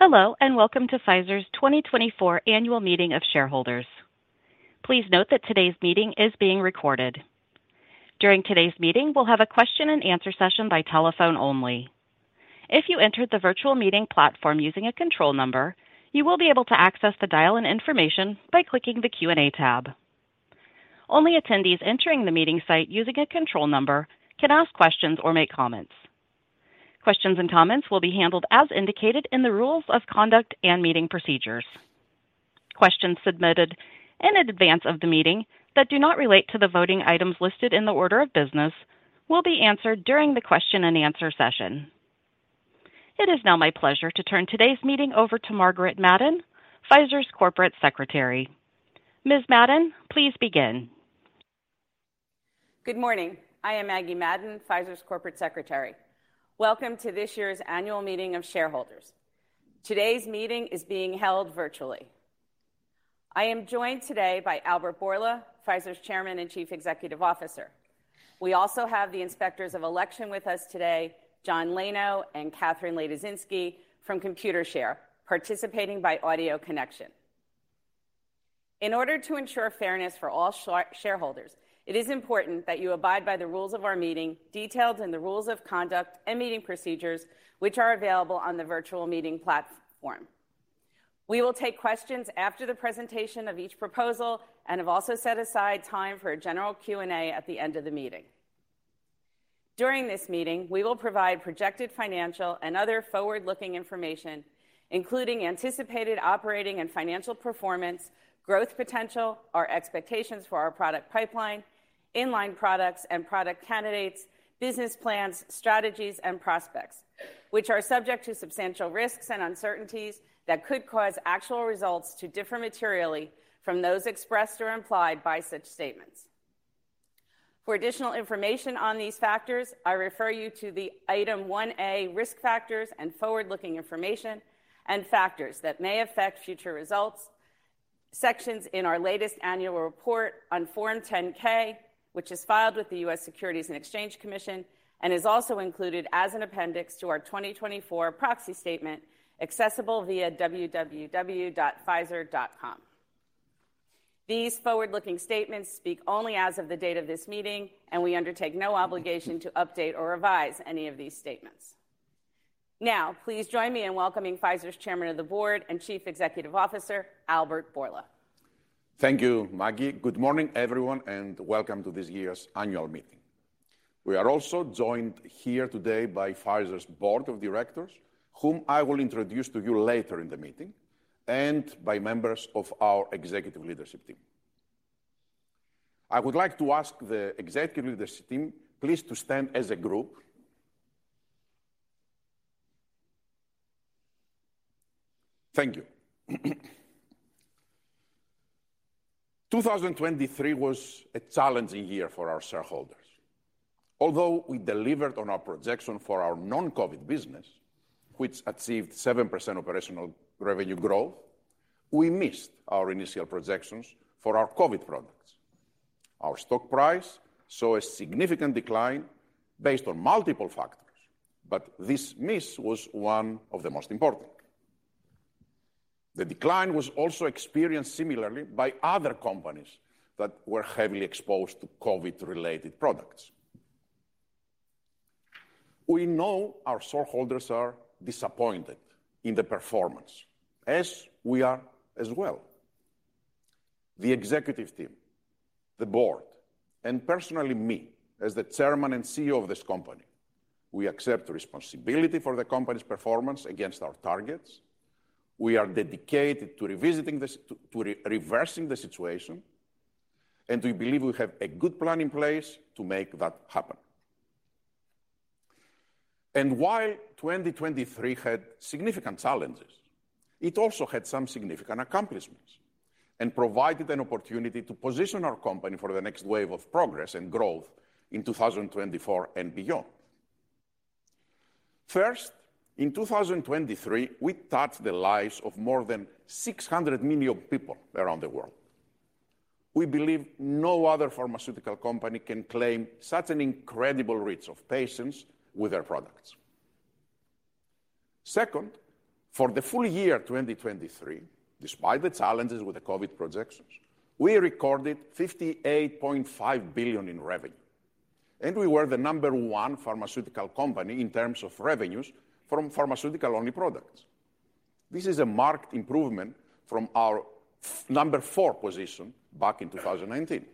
Hello and welcome to Pfizer's 2024 annual meeting of shareholders. Please note that today's meeting is being recorded. During today's meeting, we'll have a question-and-answer session by telephone only. If you entered the virtual meeting platform using a control number, you will be able to access the dial-in information by clicking the Q&A tab. Only attendees entering the meeting site using a control number can ask questions or make comments. Questions and comments will be handled as indicated in the rules of conduct and meeting procedures. Questions submitted in advance of the meeting that do not relate to the voting items listed in the order of business will be answered during the question-and-answer session. It is now my pleasure to turn today's meeting over to Margaret Madden, Pfizer's Corporate Secretary. Ms. Madden, please begin. Good morning. I am Maggie Madden, Pfizer's Corporate Secretary. Welcome to this year's annual meeting of shareholders. Today's meeting is being held virtually. I am joined today by Albert Bourla, Pfizer's Chairman and Chief Executive Officer. We also have the inspectors of election with us today, John [Leyno] and Kathryn Ladezinski from Computershare, participating by audio connection. In order to ensure fairness for all shareholders, it is important that you abide by the rules of our meeting, detailed in the rules of conduct and meeting procedures, which are available on the virtual meeting platform. We will take questions after the presentation of each proposal and have also set aside time for a general Q&A at the end of the meeting. During this meeting, we will provide projected financial and other forward-looking information, including anticipated operating and financial performance, growth potential, our expectations for our product pipeline, inline products and product candidates, business plans, strategies, and prospects, which are subject to substantial risks and uncertainties that could cause actual results to differ materially from those expressed or implied by such statements. For additional information on these factors, I refer you to the Item 1A, Risk Factors and Forward-Looking Information, and Factors That May Affect Future Results sections in our latest annual report on Form 10-K, which is filed with the U.S. Securities and Exchange Commission and is also included as an appendix to our 2024 proxy statement accessible via www.pfizer.com. These forward-looking statements speak only as of the date of this meeting, and we undertake no obligation to update or revise any of these statements. Now, please join me in welcoming Pfizer's Chairman of the Board and Chief Executive Officer, Albert Bourla. Thank you, Maggie. Good morning, everyone, and welcome to this year's annual meeting. We are also joined here today by Pfizer's board of directors, whom I will introduce to you later in the meeting, and by members of our executive leadership team. I would like to ask the executive leadership team please to stand as a group. Thank you. 2023 was a challenging year for our shareholders. Although we delivered on our projection for our non-COVID business, which achieved 7% operational revenue growth, we missed our initial projections for our COVID products. Our stock price saw a significant decline based on multiple factors, but this miss was one of the most important. The decline was also experienced similarly by other companies that were heavily exposed to COVID-related products. We know our shareholders are disappointed in the performance, as we are as well. The executive team, the board, and personally me, as the Chairman and CEO of this company, we accept responsibility for the company's performance against our targets. We are dedicated to reversing the situation, and we believe we have a good plan in place to make that happen. While 2023 had significant challenges, it also had some significant accomplishments and provided an opportunity to position our company for the next wave of progress and growth in 2024 and beyond. First, in 2023, we touched the lives of more than 600 million people around the world. We believe no other pharmaceutical company can claim such an incredible reach of patients with our products. Second, for the full year 2023, despite the challenges with the COVID projections, we recorded $58.5 billion in revenue, and we were the number one pharmaceutical company in terms of revenues from pharmaceutical-only products. This is a marked improvement from our number four position back in 2019.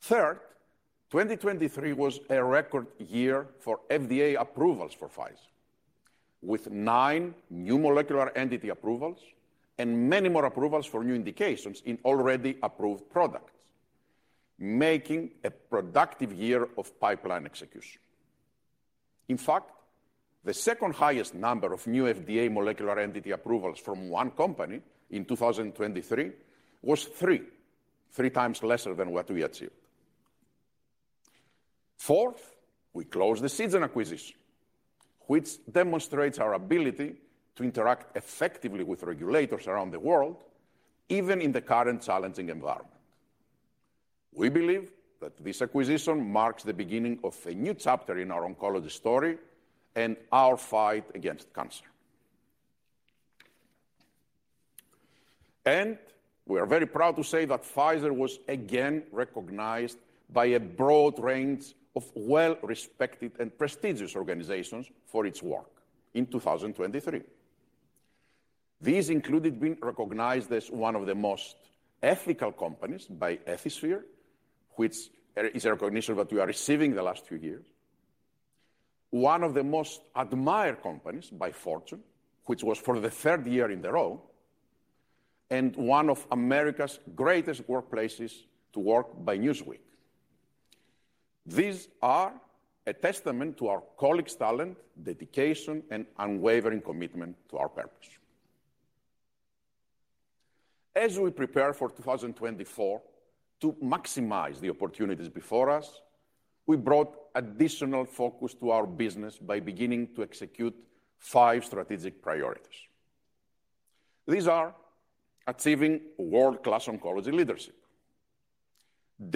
Third, 2023 was a record year for FDA approvals for Pfizer, with nine new molecular entity approvals and many more approvals for new indications in already approved products, making a productive year of pipeline execution. In fact, the second-highest number of new FDA molecular entity approvals from one company in 2023 was 3x lesser than what we achieved. Fourth, we closed the Seagen acquisition, which demonstrates our ability to interact effectively with regulators around the world, even in the current challenging environment. We believe that this acquisition marks the beginning of a new chapter in our oncology story and our fight against cancer. We are very proud to say that Pfizer was again recognized by a broad range of well-respected and prestigious organizations for its work in 2023. These included being recognized as one of the most ethical companies by Ethisphere, which is a recognition that we are receiving the last few years, one of the most admired companies by Fortune, which was for the third year in a row, and one of America's greatest workplaces to work by Newsweek. These are a testament to our colleagues' talent, dedication, and unwavering commitment to our purpose. As we prepare for 2024 to maximize the opportunities before us, we brought additional focus to our business by beginning to execute five strategic priorities. These are: achieving world-class oncology leadership,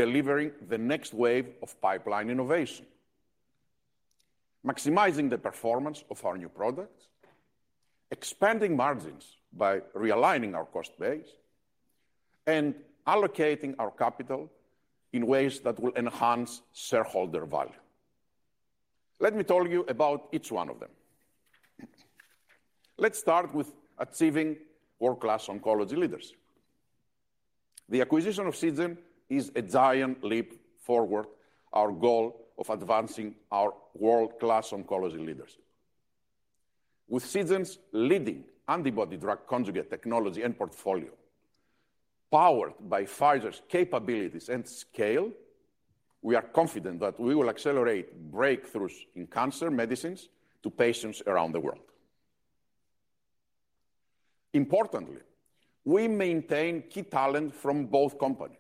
delivering the next wave of pipeline innovation, maximizing the performance of our new products, expanding margins by realigning our cost base, and allocating our capital in ways that will enhance shareholder value. Let me tell you about each one of them. Let's start with achieving world-class oncology leadership. The acquisition of Seagen is a giant leap forward in our goal of advancing our world-class oncology leadership. With Seagen's leading antibody-drug conjugate technology and portfolio, powered by Pfizer's capabilities and scale, we are confident that we will accelerate breakthroughs in cancer medicines to patients around the world. Importantly, we maintain key talent from both companies.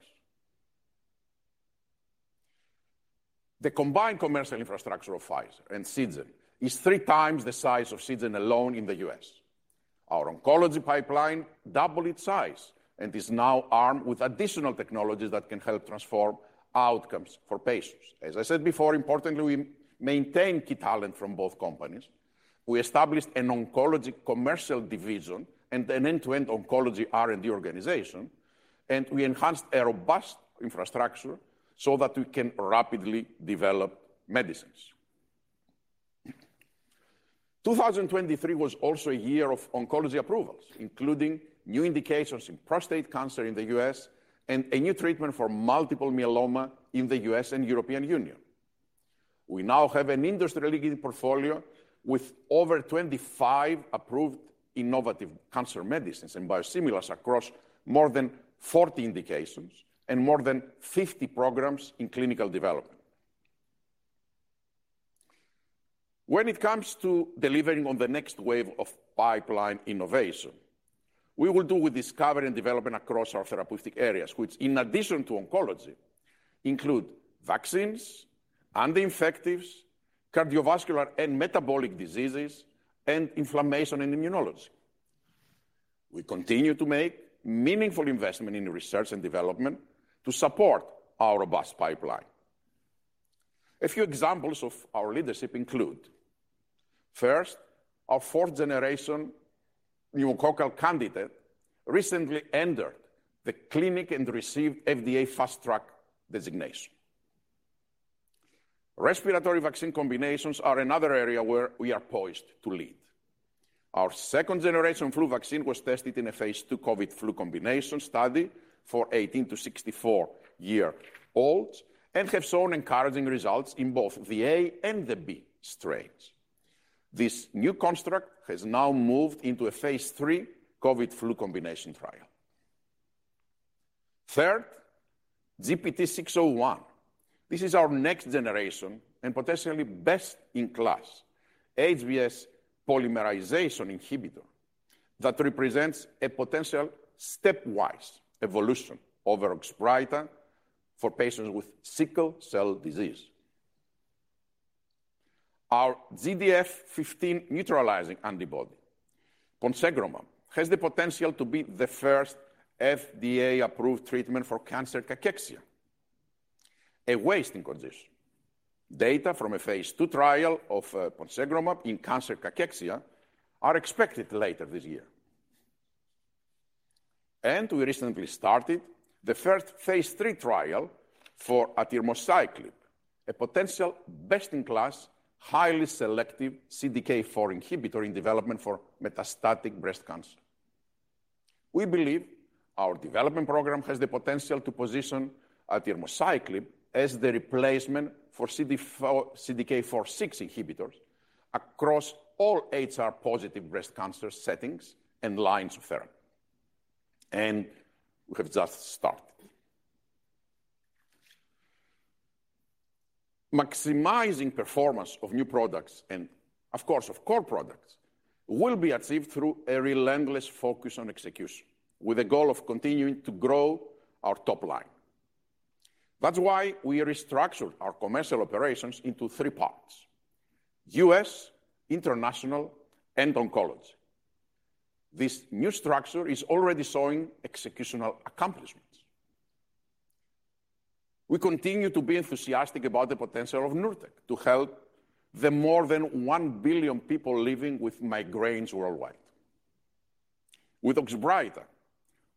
The combined commercial infrastructure of Pfizer and Seagen is 3x the size of Seagen alone in the U.S. Our oncology pipeline doubled its size and is now armed with additional technologies that can help transform outcomes for patients. As I said before, importantly, we maintain key talent from both companies. We established an oncology commercial division and an end-to-end oncology R&D organization, and we enhanced a robust infrastructure so that we can rapidly develop medicines. 2023 was also a year of oncology approvals, including new indications in prostate cancer in the U.S. and a new treatment for multiple myeloma in the U.S. and European Union. We now have an industry-leading portfolio with over 25 approved innovative cancer medicines and biosimilars across more than 40 indications and more than 50 programs in clinical development. When it comes to delivering on the next wave of pipeline innovation, we will do with discovery and development across our therapeutic areas, which, in addition to oncology, include vaccines, anti-infectives, cardiovascular and metabolic diseases, and inflammation and immunology. We continue to make meaningful investments in research and development to support our robust pipeline. A few examples of our leadership include: First, our fourth-generation pneumococcal candidate recently entered the clinic and received FDA Fast-Track designation. Respiratory vaccine combinations are another area where we are poised to lead. Our second-generation flu vaccine was tested in a phase II COVID/flu combination study for 18-64-year-olds and has shown encouraging results in both the A and the B strains. This new construct has now moved into a phase III COVID/flu combination trial. Third, GBT601. This is our next generation and potentially best-in-class HbS polymerization inhibitor that represents a potential stepwise evolution over OXBRYTA for patients with sickle cell disease. Our GDF-15 neutralizing antibody, ponsegromab, has the potential to be the first FDA-approved treatment for cancer cachexia, a wasting condition. Data from a phase II trial of ponsegromab in cancer cachexia are expected later this year. And we recently started the first phase III trial for atirmociclib, a potential best-in-class, highly selective CDK4 inhibitor in development for metastatic breast cancer. We believe our development program has the potential to position atirmociclib as the replacement for CDK4/6 inhibitors across all HR-positive breast cancer settings and lines of therapy. And we have just started. Maximizing performance of new products and, of course, of core products will be achieved through a relentless focus on execution, with the goal of continuing to grow our top line. That's why we restructured our commercial operations into three parts: U.S., international, and oncology. This new structure is already showing executional accomplishments. We continue to be enthusiastic about the potential of Nurtec to help the more than 1 billion people living with migraines worldwide. With OXBRYTA,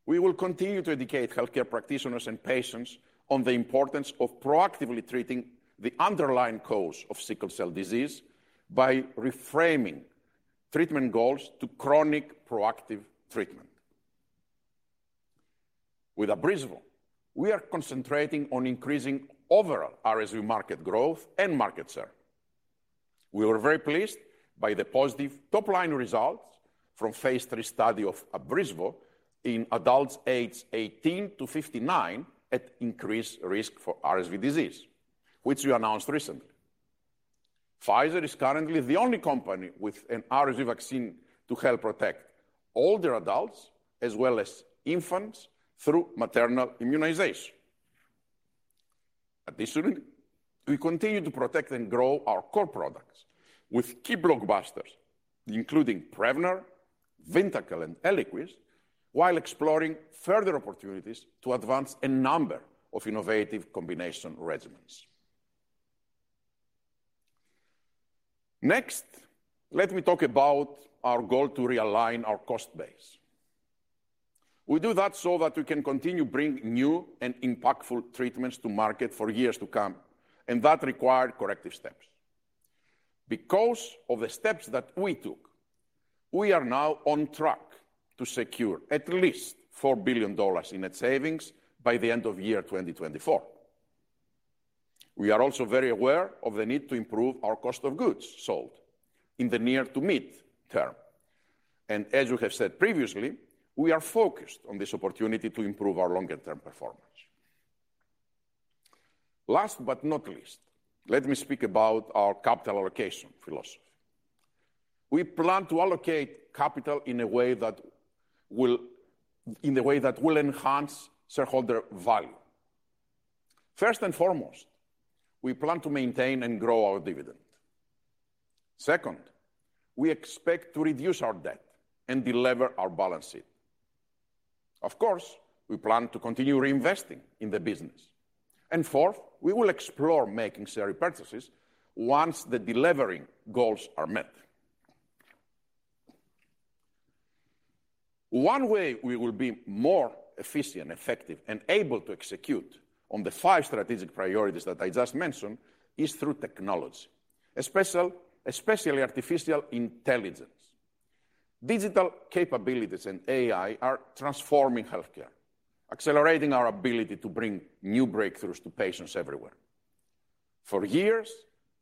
we will continue to educate healthcare practitioners and patients on the importance of proactively treating the underlying cause of sickle cell disease by reframing treatment goals to chronic, proactive treatment. With ABRYSVO, we are concentrating on increasing overall RSV market growth and market share. We were very pleased by the positive top-line results from phase III study of ABRYSVO in adults aged 18-59 at increased risk for RSV disease, which we announced recently. Pfizer is currently the only company with an RSV vaccine to help protect older adults, as well as infants, through maternal immunization. Additionally, we continue to protect and grow our core products with key blockbusters, including PREVNAR, VYNDAQEL, and ELIQUIS, while exploring further opportunities to advance a number of innovative combination regimens. Next, let me talk about our goal to realign our cost base. We do that so that we can continue bringing new and impactful treatments to market for years to come, and that required corrective steps. Because of the steps that we took, we are now on track to secure at least $4 billion in net savings by the end of year 2024. We are also very aware of the need to improve our cost of goods sold in the near-to-medium term, and as we have said previously, we are focused on this opportunity to improve our longer-term performance. Last but not least, let me speak about our capital allocation philosophy. We plan to allocate capital in a way that will enhance shareholder value. First and foremost, we plan to maintain and grow our dividend. Second, we expect to reduce our debt and deleverage our balance sheet. Of course, we plan to continue reinvesting in the business. And fourth, we will explore making share repurchases once the delivery goals are met. One way we will be more efficient, effective, and able to execute on the five strategic priorities that I just mentioned is through technology, especially artificial intelligence. Digital capabilities and AI are transforming healthcare, accelerating our ability to bring new breakthroughs to patients everywhere. For years,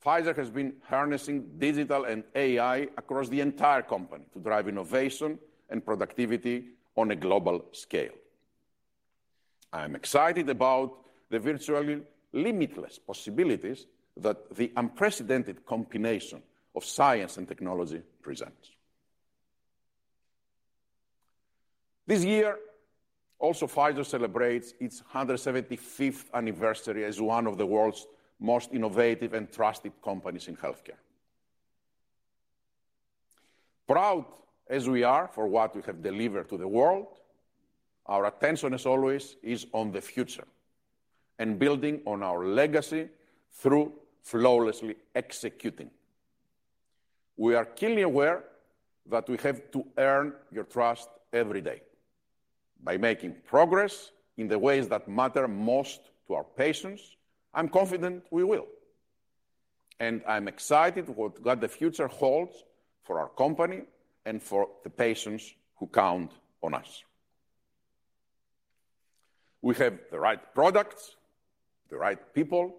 Pfizer has been harnessing digital and AI across the entire company to drive innovation and productivity on a global scale. I am excited about the virtually limitless possibilities that the unprecedented combination of science and technology presents. This year, also, Pfizer celebrates its 175th anniversary as one of the world's most innovative and trusted companies in healthcare. Proud as we are for what we have delivered to the world, our attention, as always, is on the future and building on our legacy through flawlessly executing. We are keenly aware that we have to earn your trust every day. By making progress in the ways that matter most to our patients, I am confident we will. And I am excited about what the future holds for our company and for the patients who count on us. We have the right products, the right people,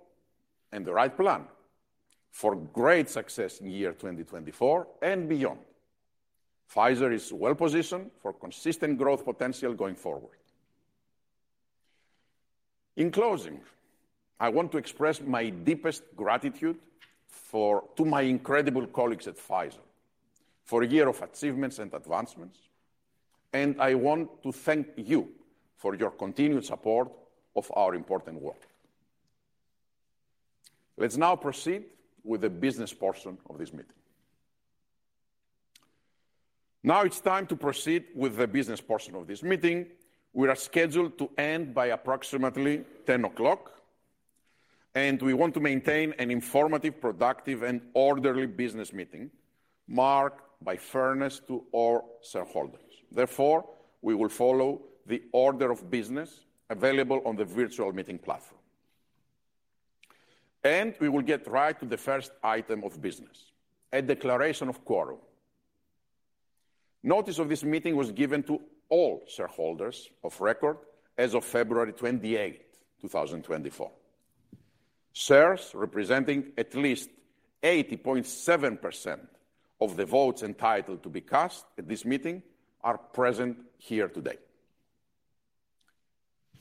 and the right plan for great success in year 2024 and beyond. Pfizer is well-positioned for consistent growth potential going forward. In closing, I want to express my deepest gratitude to my incredible colleagues at Pfizer for a year of achievements and advancements, and I want to thank you for your continued support of our important work. Let's now proceed with the business portion of this meeting. Now it's time to proceed with the business portion of this meeting. We are scheduled to end by approximately 10:00 A.M., and we want to maintain an informative, productive, and orderly business meeting marked by fairness to our shareholders. Therefore, we will follow the order of business available on the virtual meeting platform. We will get right to the first item of business: a declaration of quorum. Notice of this meeting was given to all shareholders of record as of February 28, 2024. Shares representing at least 80.7% of the votes entitled to be cast at this meeting are present here today.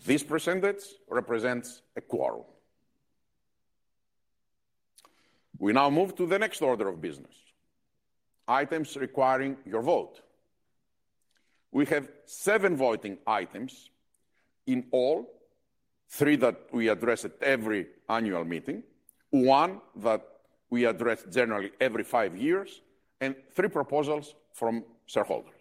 This percentage represents a quorum. We now move to the next order of business: items requiring your vote. We have seven voting items in all: three that we address at every annual meeting, one that we address generally every five years, and three proposals from shareholders.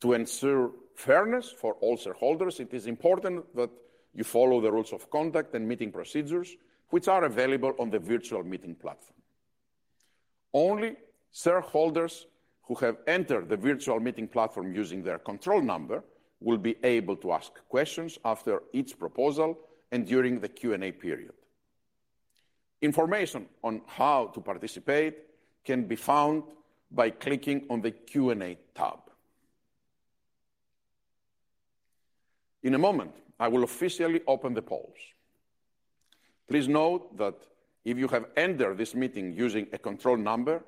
To ensure fairness for all shareholders, it is important that you follow the rules of conduct and meeting procedures, which are available on the virtual meeting platform. Only shareholders who have entered the virtual meeting platform using their Control Number will be able to ask questions after each proposal and during the Q&A period. Information on how to participate can be found by clicking on the Q&A tab. In a moment, I will officially open the polls. Please note that if you have entered this meeting using a Control Number,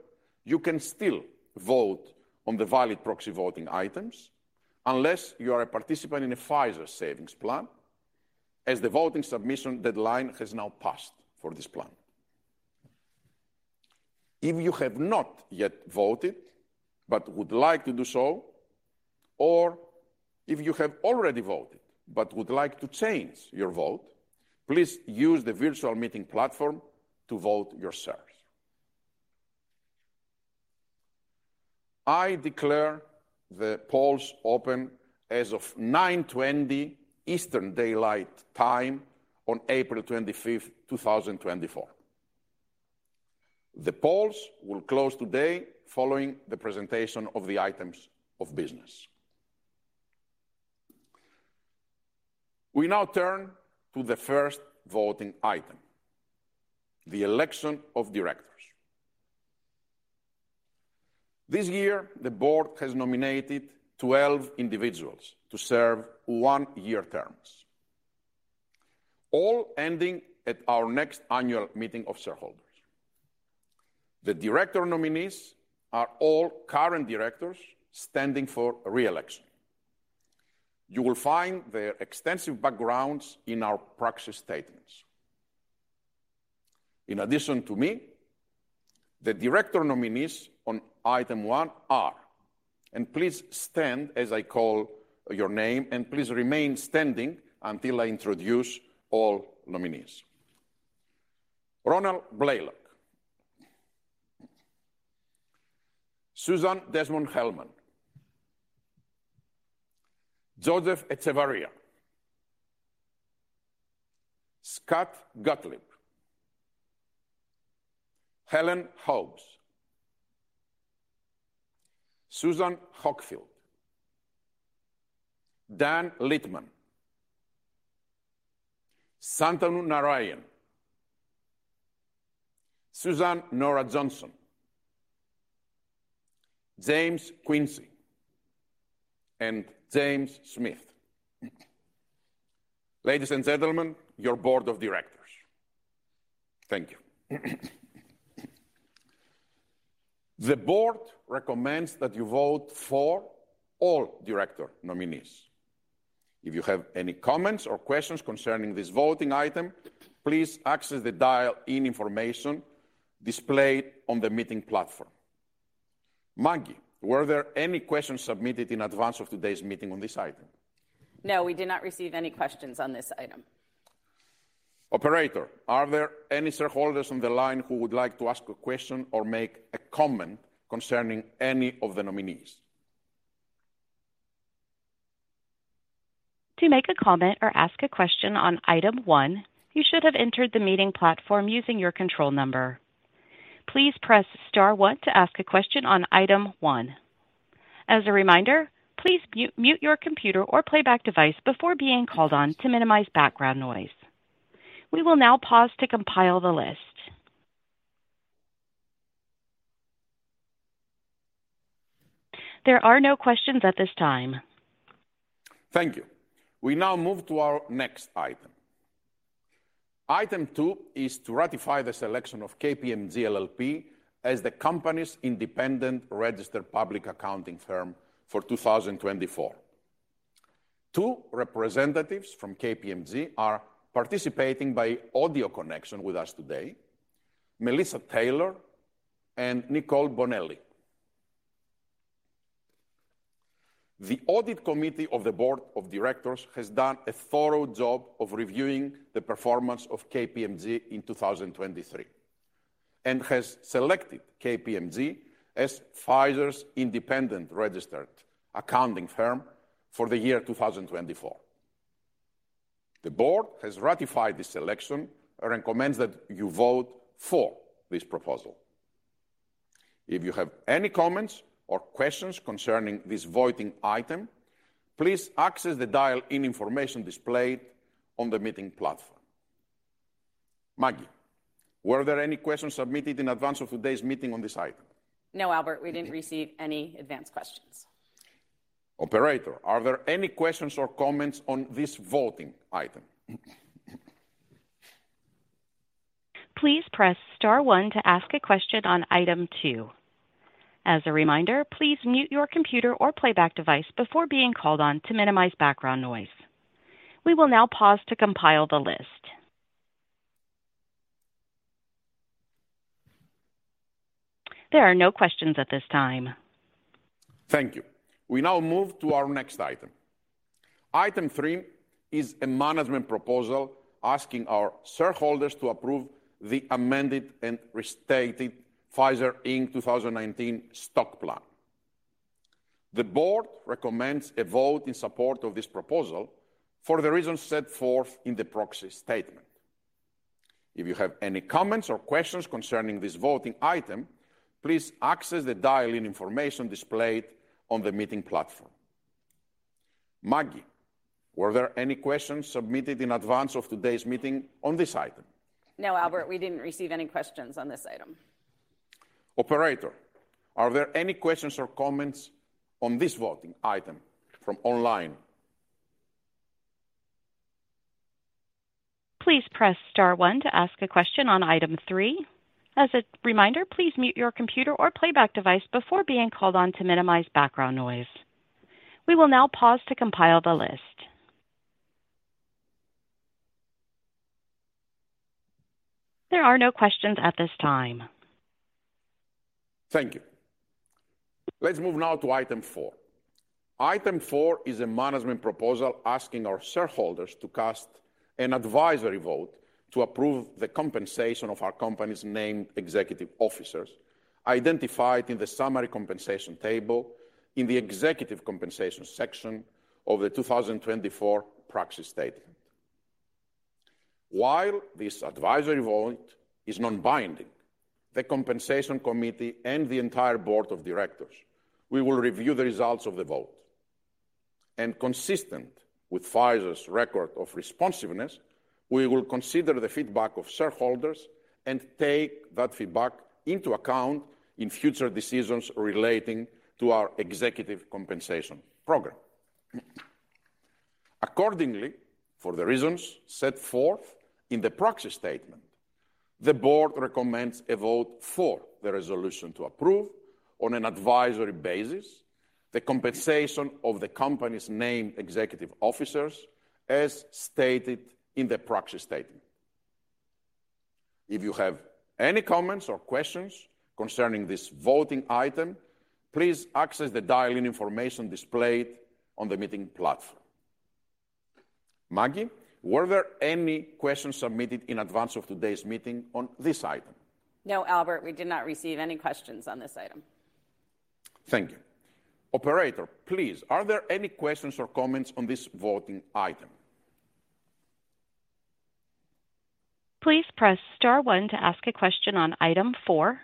you can still vote on the valid proxy voting items unless you are a participant in a Pfizer savings plan, as the voting submission deadline has now passed for this plan. If you have not yet voted but would like to do so, or if you have already voted but would like to change your vote, please use the virtual meeting platform to vote your shares. I declare the polls open as of 9:20 A.M. Eastern Daylight Time on April 25th, 2024. The polls will close today following the presentation of the items of business. We now turn to the first voting item: the election of directors. This year, the board has nominated 12 individuals to serve 1-year terms, all ending at our next annual meeting of shareholders. The director nominees are all current directors standing for reelection. You will find their extensive backgrounds in our proxy statements. In addition to me, the director nominees on item one are, and please stand as I call your name and please remain standing until I introduce all nominees: Ronald Blaylock, Susan Desmond-Hellmann, Joseph Echevarria, Scott Gottlieb, Helen Hobbs, Susan Hockfield, Dan Littman, Shantanu Narayen, Suzanne Nora Johnson, James Quincey, and James Smith. Ladies and gentlemen, your board of directors. Thank you. The board recommends that you vote for all director nominees. If you have any comments or questions concerning this voting item, please access the dial-in information displayed on the meeting platform. Maggie, were there any questions submitted in advance of today's meeting on this item? No, we did not receive any questions on this item. Operator, are there any shareholders on the line who would like to ask a question or make a comment concerning any of the nominees? To make a comment or ask a question on item one, you should have entered the meeting platform using your control number. Please press star one to ask a question on item one. As a reminder, please mute your computer or playback device before being called on to minimize background noise. We will now pause to compile the list. There are no questions at this time. Thank you. We now move to our next item. Item two is to ratify the selection of KPMG LLP as the company's independent registered public accounting firm for 2024. Two representatives from KPMG are participating by audio connection with us today: Melissa Taylor and Nicole Bonelli. The audit committee of the board of directors has done a thorough job of reviewing the performance of KPMG in 2023 and has selected KPMG as Pfizer's independent registered public accounting firm for the year 2024. The board has ratified this selection and recommends that you vote for this proposal. If you have any comments or questions concerning this voting item, please access the dial-in information displayed on the meeting platform. Maggie, were there any questions submitted in advance of today's meeting on this item? No, Albert, we didn't receive any advanced questions. Operator, are there any questions or comments on this voting item? Please press star one to ask a question on item two. As a reminder, please mute your computer or playback device before being called on to minimize background noise. We will now pause to compile the list. There are no questions at this time. Thank you. We now move to our next item. Item three is a management proposal asking our shareholders to approve the amended and restated Pfizer Inc. 2019 stock plan. The board recommends a vote in support of this proposal for the reasons set forth in the proxy statement. If you have any comments or questions concerning this voting item, please access the dial-in information displayed on the meeting platform. Maggie, were there any questions submitted in advance of today's meeting on this item? No, Albert, we didn't receive any questions on this item. Operator, are there any questions or comments on this voting item from online? Please press star one to ask a question on item three. As a reminder, please mute your computer or playback device before being called on to minimize background noise. We will now pause to compile the list. There are no questions at this time. Thank you. Let's move now to item four. Item four is a management proposal asking our shareholders to cast an advisory vote to approve the compensation of our company's named executive officers, identified in the summary compensation table in the executive compensation section of the 2024 proxy statement. While this advisory vote is non-binding, the compensation committee and the entire board of directors will review the results of the vote. Consistent with Pfizer's record of responsiveness, we will consider the feedback of shareholders and take that feedback into account in future decisions relating to our executive compensation program. Accordingly, for the reasons set forth in the proxy statement, the board recommends a vote for the resolution to approve, on an advisory basis, the compensation of the company's named executive officers, as stated in the proxy statement. If you have any comments or questions concerning this voting item, please access the dial-in information displayed on the meeting platform. Maggie, were there any questions submitted in advance of today's meeting on this item? No, Albert, we did not receive any questions on this item. Thank you. Operator, please, are there any questions or comments on this voting item? Please press star one to ask a question on item four.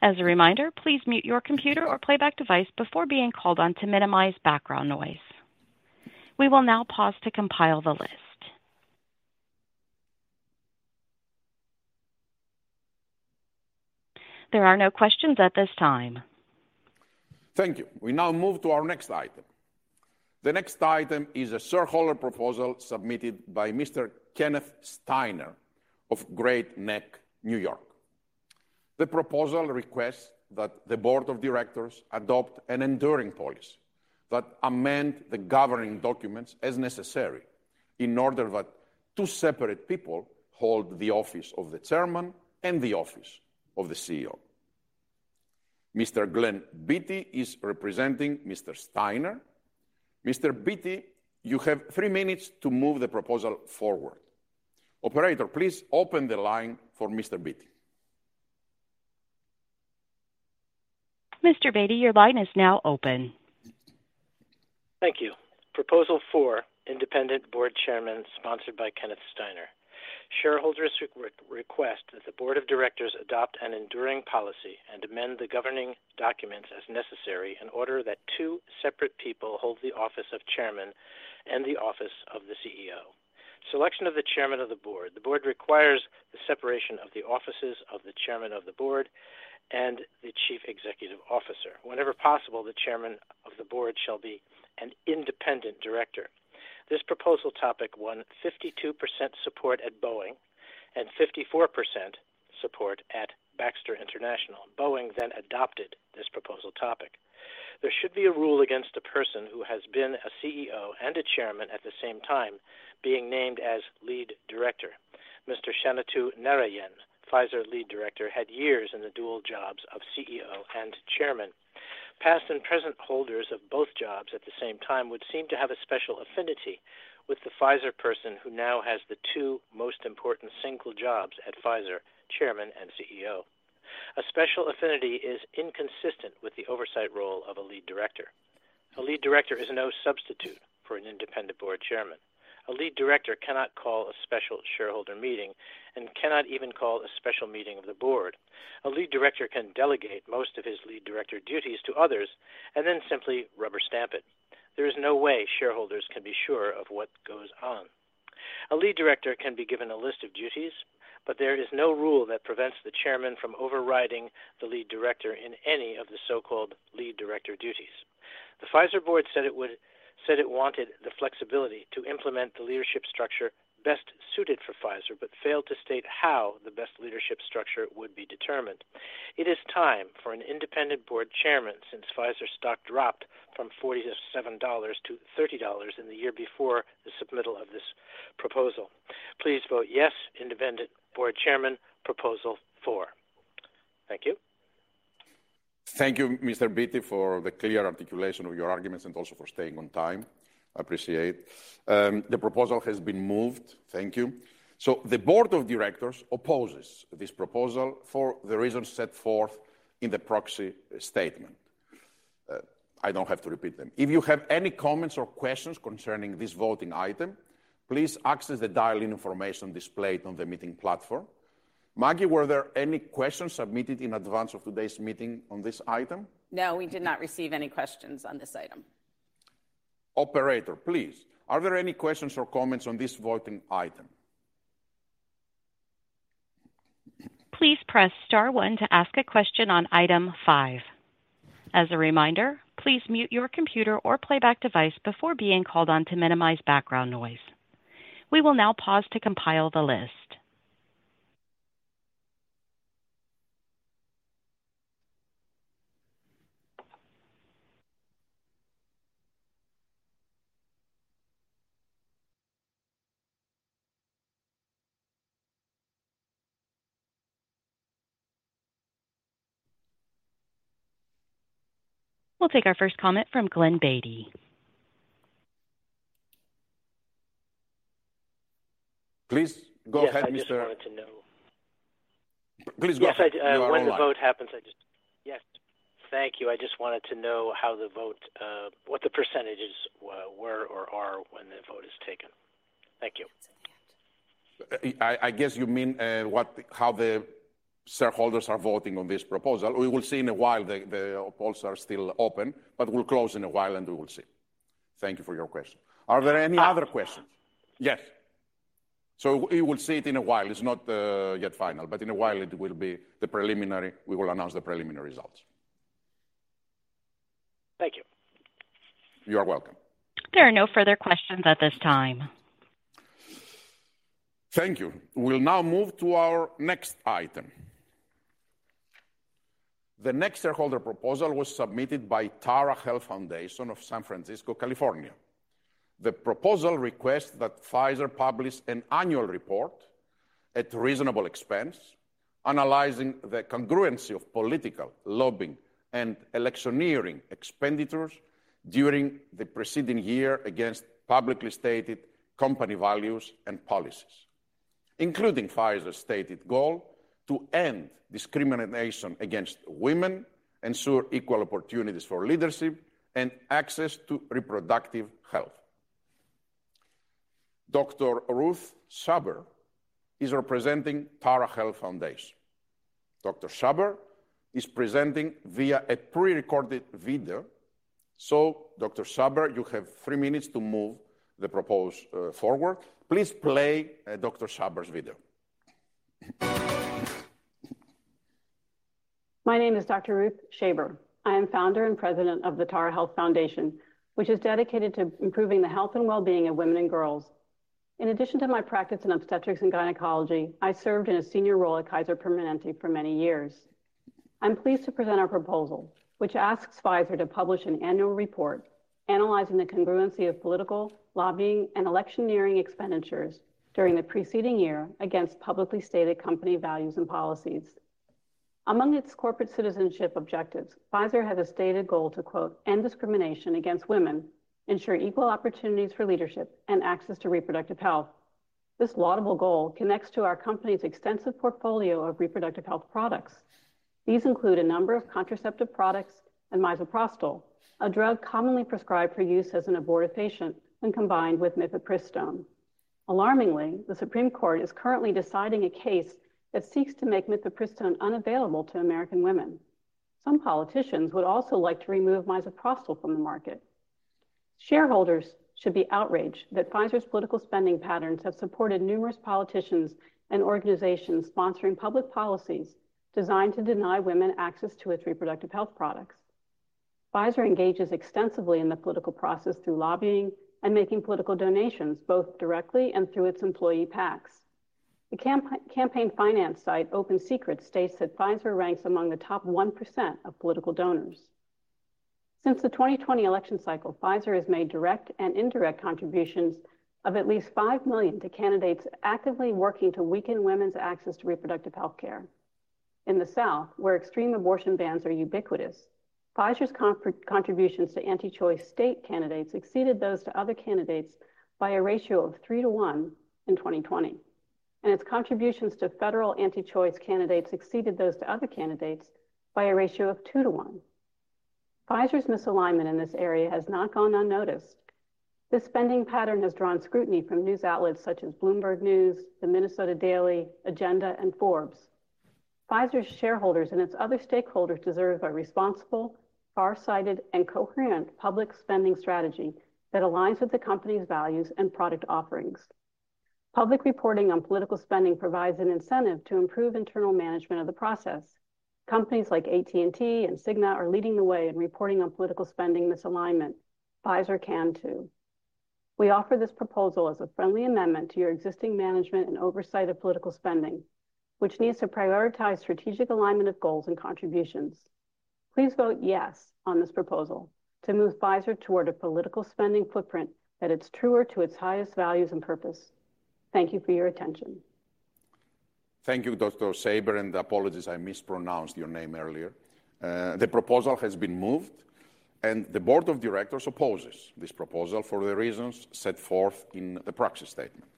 As a reminder, please mute your computer or playback device before being called on to minimize background noise. We will now pause to compile the list. There are no questions at this time. Thank you. We now move to our next item. The next item is a shareholder proposal submitted by Mr. Kenneth Steiner of Great Neck, New York. The proposal requests that the board of directors adopt an enduring policy that amends the governing documents as necessary in order that two separate people hold the Office of the Chairman and the Office of the CEO. Mr. Glenn Beatty is representing Mr. Steiner. Mr. Beatty, you have three minutes to move the proposal forward. Operator, please open the line for Mr. Beatty. Mr. Beatty, your line is now open. Thank you. Proposal four, independent board chairman, sponsored by Kenneth Steiner. Shareholders request that the board of directors adopt an enduring policy and amend the governing documents as necessary in order that two separate people hold the office of chairman and the office of the CEO. Selection of the chairman of the board: the board requires the separation of the offices of the chairman of the board and the chief executive officer. Whenever possible, the chairman of the board shall be an independent director. This proposal topic won 52% support at Boeing and 54% support at Baxter International. Boeing then adopted this proposal topic. There should be a rule against a person who has been a CEO and a chairman at the same time being named as lead director. Mr. Shantanu Narayen, Pfizer Lead Director, had years in the dual jobs of CEO and chairman. Past and present holders of both jobs at the same time would seem to have a special affinity with the Pfizer person who now has the two most important single jobs at Pfizer: Chairman and CEO. A special affinity is inconsistent with the oversight role of a lead director. A lead director is no substitute for an independent board chairman. A lead director cannot call a special shareholder meeting and cannot even call a special meeting of the board. A lead director can delegate most of his lead director duties to others and then simply rubber stamp it. There is no way shareholders can be sure of what goes on. A lead director can be given a list of duties, but there is no rule that prevents the chairman from overriding the lead director in any of the so-called lead director duties. The Pfizer board said it wanted the flexibility to implement the leadership structure best suited for Pfizer but failed to state how the best leadership structure would be determined. It is time for an independent board chairman since Pfizer's stock dropped from $47-$30 in the year before the submittal of this proposal. Please vote yes, independent board chairman, proposal four. Thank you. Thank you, Mr. Beatty, for the clear articulation of your arguments and also for staying on time. I appreciate it. The proposal has been moved. Thank you So, the board of directors opposes this proposal for the reasons set forth in the Proxy Statement. I don't have to repeat them. If you have any comments or questions concerning this voting item, please access the dial-in information displayed on the meeting platform. Maggie, were there any questions submitted in advance of today's meeting on this item? No, we did not receive any questions on this item. Operator, please, are there any questions or comments on this voting item? Please press star one to ask a question on item five. As a reminder, please mute your computer or playback device before being called on to minimize background noise. We will now pause to compile the list. We'll take our first comment from Glenn Beatty. Please go ahead, Mr. I just wanted to know. Please go ahead. Yes, when the vote happens, I just yes. Thank you. I just wanted to know how the vote what the percentages were or are when the vote is taken. Thank you. I guess you mean how the shareholders are voting on this proposal. We will see in a while the polls are still open, but we'll close in a while and we will see. Thank you for your question. Are there any other questions? Yes. So, we will see it in a while. It's not yet final, but in a while it will be the preliminary we will announce the preliminary results. Thank you. You are welcome. There are no further questions at this time. Thank you. We'll now move to our next item. The next shareholder proposal was submitted by Tara Health Foundation of San Francisco, California. The proposal requests that Pfizer publish an annual report at reasonable expense, analyzing the congruency of political, lobbying, and electioneering expenditures during the preceding year against publicly stated company values and policies, including Pfizer's stated goal to end discrimination against women, ensure equal opportunities for leadership, and access to reproductive health. Dr. Ruth Shaber is representing Tara Health Foundation. Dr. Shaber is presenting via a prerecorded video. So, Dr. Shaber, you have three minutes to move the proposal forward. Please play Dr. Shaber's video. My name is Dr. Ruth Shaber. I am Founder and President of the Tara Health Foundation, which is dedicated to improving the health and well-being of women and girls. In addition to my practice in obstetrics and gynecology, I served in a senior role at Kaiser Permanente for many years. I'm pleased to present our proposal, which asks Pfizer to publish an annual report analyzing the congruency of political, lobbying, and electioneering expenditures during the preceding year against publicly stated company values and policies. Among its corporate citizenship objectives, Pfizer has a stated goal to "end discrimination against women, ensure equal opportunities for leadership, and access to reproductive health." This laudable goal connects to our company's extensive portfolio of reproductive health products. These include a number of contraceptive products and misoprostol, a drug commonly prescribed for use as an abortive agent when combined with mifepristone. Alarmingly, the Supreme Court is currently deciding a case that seeks to make mifepristone unavailable to American women. Some politicians would also like to remove misoprostol from the market. Shareholders should be outraged that Pfizer's political spending patterns have supported numerous politicians and organizations sponsoring public policies designed to deny women access to its reproductive health products. Pfizer engages extensively in the political process through lobbying and making political donations, both directly and through its employee PACs. The campaign finance site, OpenSecrets, states that Pfizer ranks among the top 1% of political donors. Since the 2020 election cycle, Pfizer has made direct and indirect contributions of at least $5 million to candidates actively working to weaken women's access to reproductive healthcare. In the South, where extreme abortion bans are ubiquitous, Pfizer's contributions to anti-choice state candidates exceeded those to other candidates by a ratio of 3-to-1 in 2020. Its contributions to federal anti-choice candidates exceeded those to other candidates by a ratio of 2-to-1. Pfizer's misalignment in this area has not gone unnoticed. This spending pattern has drawn scrutiny from news outlets such as Bloomberg News, The Minnesota Daily, Agenda, and Forbes. Pfizer's shareholders and its other stakeholders deserve a responsible, far-sighted, and coherent public spending strategy that aligns with the company's values and product offerings. Public reporting on political spending provides an incentive to improve internal management of the process. Companies like AT&T and Cigna are leading the way in reporting on political spending misalignment. Pfizer can too. We offer this proposal as a friendly amendment to your existing management and oversight of political spending, which needs to prioritize strategic alignment of goals and contributions. Please vote yes on this proposal to move Pfizer toward a political spending footprint that is truer to its highest values and purpose. Thank you for your attention. Thank you, Dr. Shaber, and apologies. I mispronounced your name earlier. The proposal has been moved, and the board of directors opposes this proposal for the reasons set forth in the proxy statement.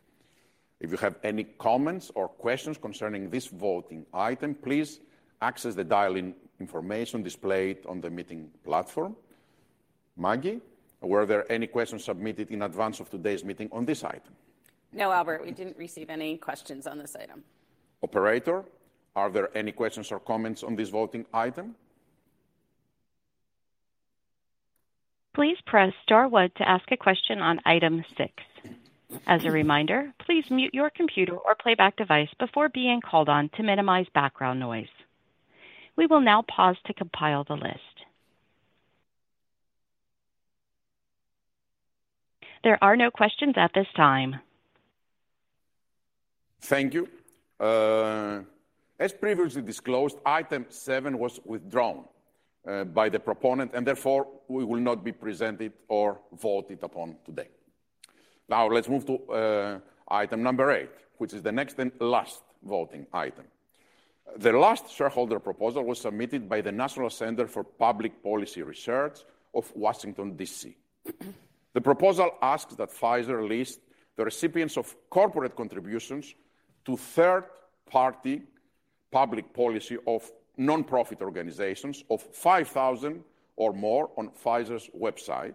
If you have any comments or questions concerning this voting item, please access the dial-in information displayed on the meeting platform. Maggie, were there any questions submitted in advance of today's meeting on this item? No, Albert, we didn't receive any questions on this item. Operator, are there any questions or comments on this voting item? Please press star one to ask a question on item six. As a reminder, please mute your computer or playback device before being called on to minimize background noise. We will now pause to compile the list. There are no questions at this time. Thank you. As previously disclosed, item seven was withdrawn by the proponent and therefore we will not be presented or voted upon today. Now, let's move to item number eight, which is the next and last voting item. The last shareholder proposal was submitted by the National Center for Public Policy Research of Washington, D.C. The proposal asks that Pfizer list the recipients of corporate contributions to third-party public policy of nonprofit organizations of $5,000 or more on Pfizer's website,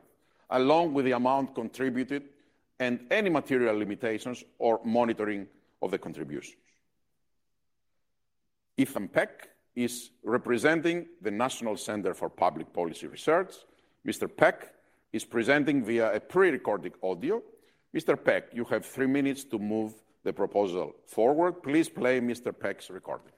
along with the amount contributed and any material limitations or monitoring of the contributions. Ethan Peck is representing the National Center for Public Policy Research. Mr. Peck is presenting via a prerecorded audio. Mr. Peck, you have three minutes to move the proposal forward. Please play Mr. Peck's recording.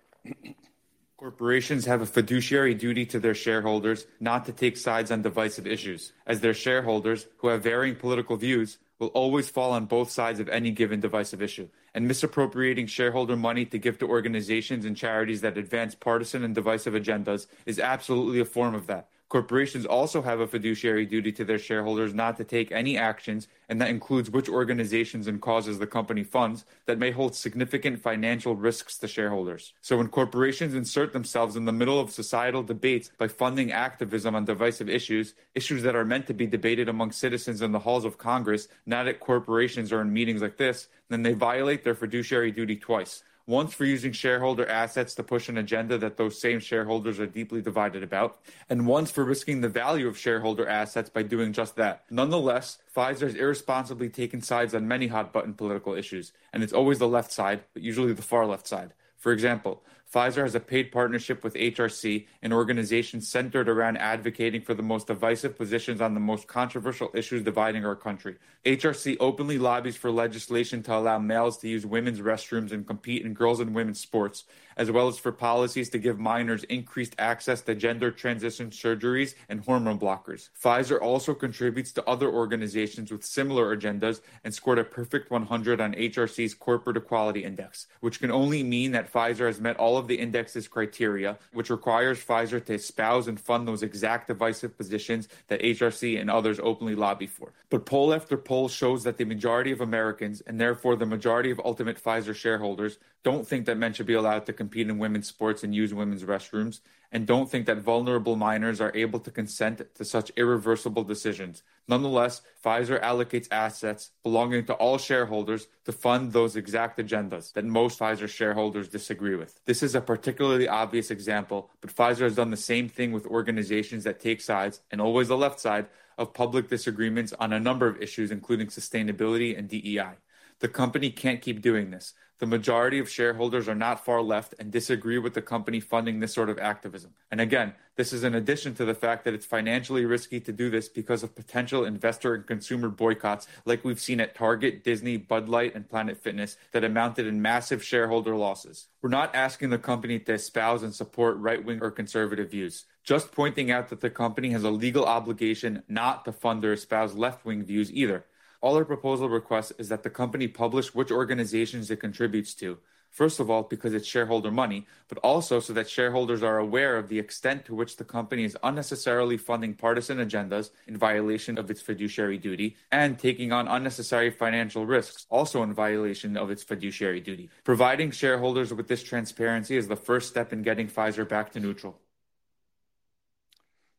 Corporations have a fiduciary duty to their shareholders not to take sides on divisive issues, as their shareholders, who have varying political views, will always fall on both sides of any given divisive issue. Misappropriating shareholder money to give to organizations and charities that advance partisan and divisive agendas is absolutely a form of that. Corporations also have a fiduciary duty to their shareholders not to take any actions, and that includes which organizations and causes the company funds that may hold significant financial risks to shareholders. When corporations insert themselves in the middle of societal debates by funding activism on divisive issues, issues that are meant to be debated among citizens in the halls of Congress, not at corporations or in meetings like this, then they violate their fiduciary duty twice: once for using shareholder assets to push an agenda that those same shareholders are deeply divided about, and once for risking the value of shareholder assets by doing just that. Nonetheless, Pfizer has irresponsibly taken sides on many hot-button political issues, and it's always the left side, but usually the far-left side. For example, Pfizer has a paid partnership with HRC, an organization centered around advocating for the most divisive positions on the most controversial issues dividing our country. HRC openly lobbies for legislation to allow males to use women's restrooms and compete in girls' and women's sports, as well as for policies to give minors increased access to gender transition surgeries and hormone blockers. Pfizer also contributes to other organizations with similar agendas and scored a perfect 100 on HRC's Corporate Equality Index, which can only mean that Pfizer has met all of the index's criteria, which requires Pfizer to espouse and fund those exact divisive positions that HRC and others openly lobby for. But poll after poll shows that the majority of Americans, and therefore the majority of ultimate Pfizer shareholders, don't think that men should be allowed to compete in women's sports and use women's restrooms, and don't think that vulnerable minors are able to consent to such irreversible decisions. Nonetheless, Pfizer allocates assets belonging to all shareholders to fund those exact agendas that most Pfizer shareholders disagree with. This is a particularly obvious example, but Pfizer has done the same thing with organizations that take sides, and always the left side, of public disagreements on a number of issues, including sustainability and DEI. The company can't keep doing this. The majority of shareholders are not far left and disagree with the company funding this sort of activism. And again, this is in addition to the fact that it's financially risky to do this because of potential investor and consumer boycotts like we've seen at Target, Disney, Bud Light, and Planet Fitness that amounted in massive shareholder losses. We're not asking the company to espouse and support right-wing or conservative views, just pointing out that the company has a legal obligation not to fund or espouse left-wing views either. All our proposal request is that the company publish which organizations it contributes to, first of all because it's shareholder money, but also so that shareholders are aware of the extent to which the company is unnecessarily funding partisan agendas in violation of its fiduciary duty and taking on unnecessary financial risks also in violation of its fiduciary duty. Providing shareholders with this transparency is the first step in getting Pfizer back to neutral.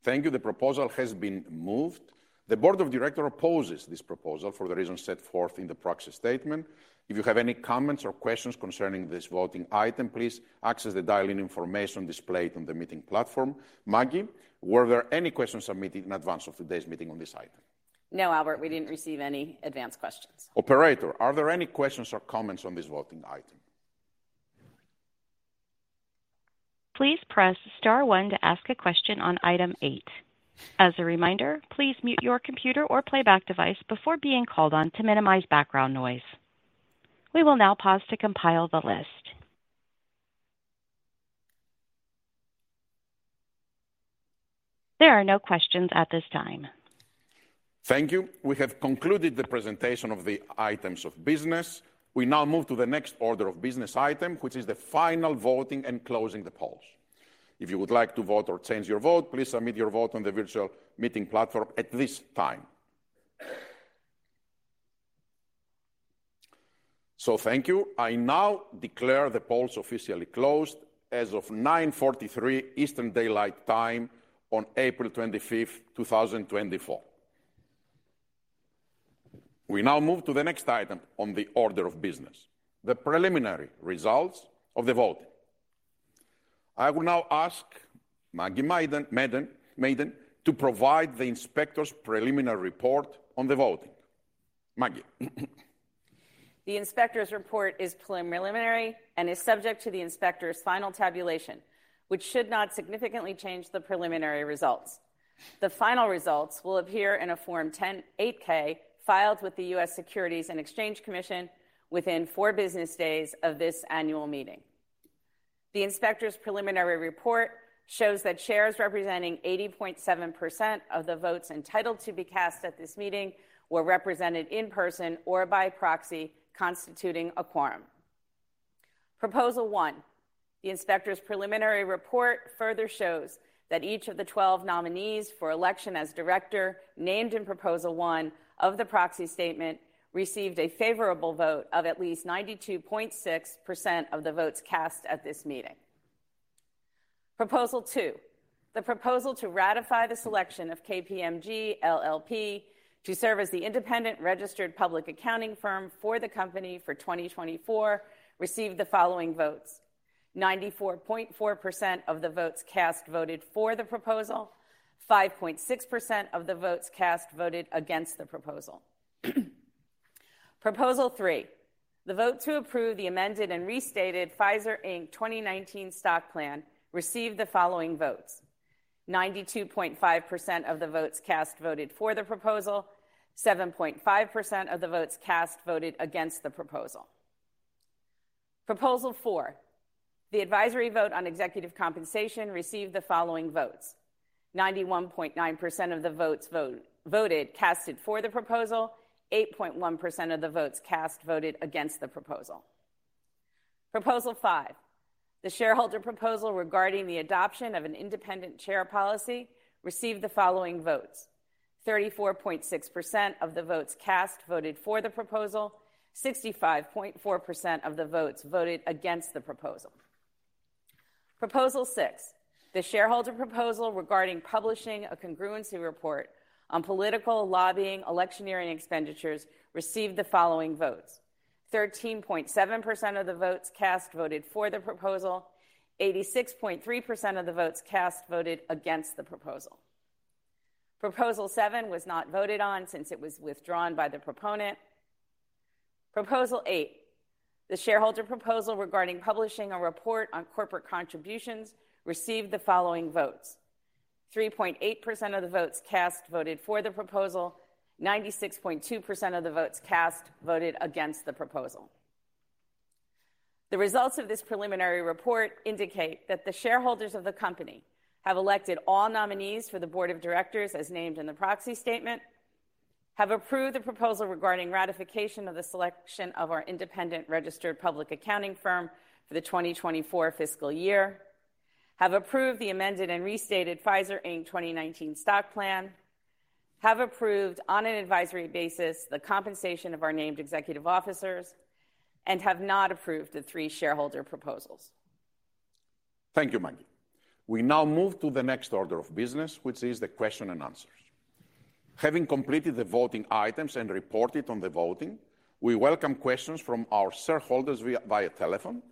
Thank you. The proposal has been moved. The board of directors opposes this proposal for the reasons set forth in the proxy statement. If you have any comments or questions concerning this voting item, please access the dial-in information displayed on the meeting platform. Maggie, were there any questions submitted in advance of today's meeting on this item? No, Albert, we didn't receive any advanced questions. Operator, are there any questions or comments on this voting item? Please press star one to ask a question on item eight. As a reminder, please mute your computer or playback device before being called on to minimize background noise. We will now pause to compile the list. There are no questions at this time. Thank you. We have concluded the presentation of the items of business. We now move to the next order of business item, which is the final voting and closing the polls. If you would like to vote or change your vote, please submit your vote on the virtual meeting platform at this time. So, thank you. I now declare the polls officially closed as of 9:43 A.M. Eastern Daylight Time on April 25th, 2024. We now move to the next item on the order of business: the preliminary results of the voting. I will now ask Maggie Madden to provide the inspector's preliminary report on the voting. Maggie. The inspector's report is preliminary and is subject to the inspector's final tabulation, which should not significantly change the preliminary results. The final results will appear in a Form 8-K filed with the U.S. Securities and Exchange Commission within four business days of this annual meeting. The inspector's preliminary report shows that shares representing 80.7% of the votes entitled to be cast at this meeting were represented in person or by proxy, constituting a quorum. Proposal One: The inspector's preliminary report further shows that each of the 12 nominees for election as director named in Proposal One of the proxy statement received a favorable vote of at least 92.6% of the votes cast at this meeting. Proposal Two: The proposal to ratify the selection of KPMG LLP to serve as the independent registered public accounting firm for the company for 2024 received the following votes: 94.4% of the votes cast voted for the proposal, 5.6% of the votes cast voted against the proposal. Proposal Three: The votes who approved the amended and restated Pfizer Inc. 2019 stock plan received the following votes: 92.5% of the votes cast voted for the proposal, 7.5% of the votes cast voted against the proposal. Proposal Four: The advisory vote on executive compensation received the following votes: 91.9% of the votes casted for the proposal, 8.1% of the votes cast voted against the proposal. Proposal Five: The shareholder proposal regarding the adoption of an independent chair policy received the following votes: 34.6% of the votes cast voted for the proposal, 65.4% of the votes voted against the proposal. Proposal Six: The shareholder proposal regarding publishing a congruency report on political, lobbying, electioneering, and expenditures received the following votes: 13.7% of the votes cast voted for the proposal, 86.3% of the votes cast voted against the proposal. Proposal Seven was not voted on since it was withdrawn by the proponent. Proposal Eight: The shareholder proposal regarding publishing a report on corporate contributions received the following votes: 3.8% of the votes cast voted for the proposal, 96.2% of the votes cast voted against the proposal. The results of this preliminary report indicate that the shareholders of the company have elected all nominees for the board of directors as named in the proxy statement, have approved the proposal regarding ratification of the selection of our independent registered public accounting firm for the 2024 fiscal year, have approved the amended and restated Pfizer Inc. 2019 stock plan, have approved on an advisory basis the compensation of our named executive officers, and have not approved the three shareholder proposals. Thank you, Maggie. We now move to the next order of business, which is the question and answers. Having completed the voting items and reported on the voting, we welcome questions from our shareholders via telephone.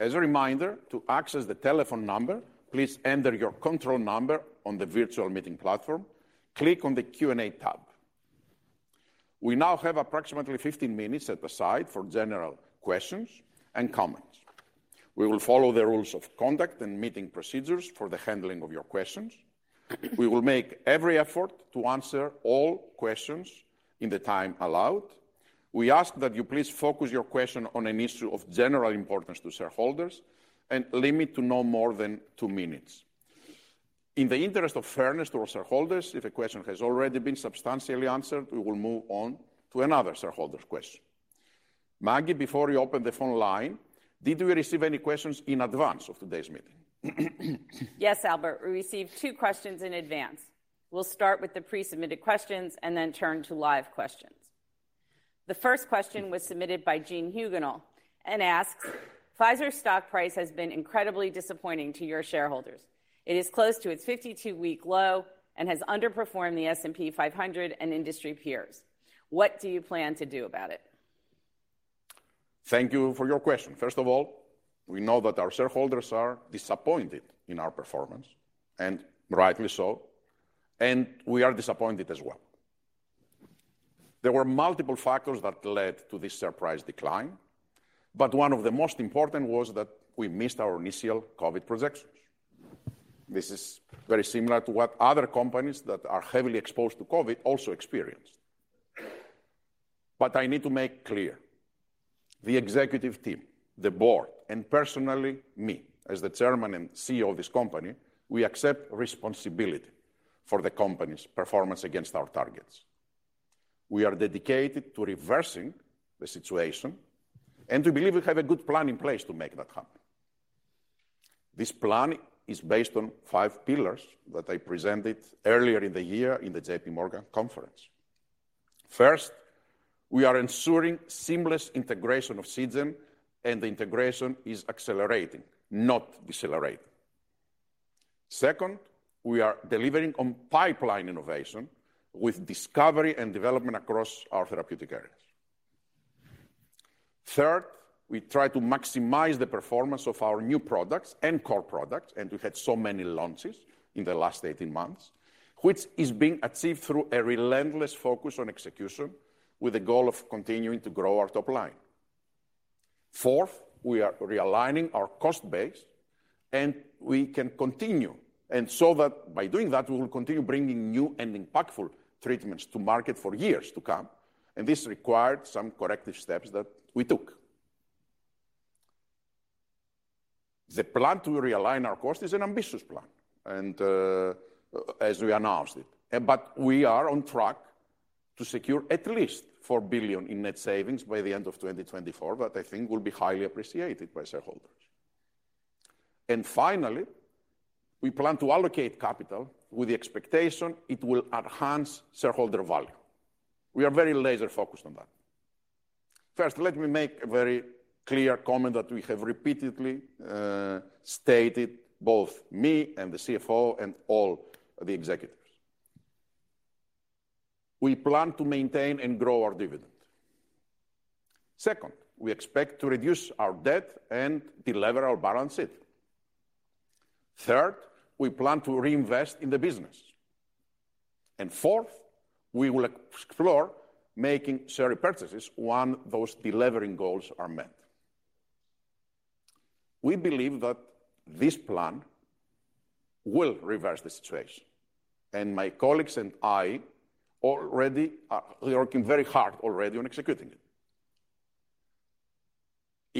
As a reminder, to access the telephone number, please enter your control number on the virtual meeting platform, click on the Q&A tab. We now have approximately 15 minutes set aside for general questions and comments. We will follow the rules of conduct and meeting procedures for the handling of your questions. We will make every effort to answer all questions in the time allowed. We ask that you please focus your question on an issue of general importance to shareholders and limit to no more than two minutes. In the interest of fairness to our shareholders, if a question has already been substantially answered, we will move on to another shareholder's question. Maggie, before you open the phone line, did we receive any questions in advance of today's meeting? Yes, Albert. We received two questions in advance. We'll start with the pre-submitted questions and then turn to live questions. The first question was submitted by Gene Hugenel and asks: Pfizer's stock price has been incredibly disappointing to your shareholders. It is close to its 52-week low and has underperformed the S&P 500 and industry peers. What do you plan to do about it? Thank you for your question. First of all, we know that our shareholders are disappointed in our performance, and rightly so, and we are disappointed as well. There were multiple factors that led to this share price decline, but one of the most important was that we missed our initial COVID projections. This is very similar to what other companies that are heavily exposed to COVID also experienced. But I need to make clear: the executive team, the board, and personally me, as the Chairman and CEO of this company, we accept responsibility for the company's performance against our targets. We are dedicated to reversing the situation, and we believe we have a good plan in place to make that happen. This plan is based on five pillars that I presented earlier in the year in the JPMorgan conference. First, we are ensuring seamless integration of Seagen, and the integration is accelerating, not decelerating. Second, we are delivering on pipeline innovation with discovery and development across our therapeutic areas. Third, we try to maximize the performance of our new products and core products, and we had so many launches in the last 18 months, which is being achieved through a relentless focus on execution with the goal of continuing to grow our top line. Fourth, we are realigning our cost base, so that by doing that, we will continue bringing new and impactful treatments to market for years to come. This required some corrective steps that we took. The plan to realign our cost is an ambitious plan, as we announced it. We are on track to secure at least $4 billion in net savings by the end of 2024, that I think will be highly appreciated by shareholders. Finally, we plan to allocate capital with the expectation it will enhance shareholder value. We are very laser-focused on that. First, let me make a very clear comment that we have repeatedly stated, both me and the CFO and all the executives: We plan to maintain and grow our dividend. Second, we expect to reduce our debt and de-lever our balance sheet. Third, we plan to reinvest in the business. Fourth, we will explore making share repurchases once those delivering goals are met. We believe that this plan will reverse the situation, and my colleagues and I are already working very hard already on executing it.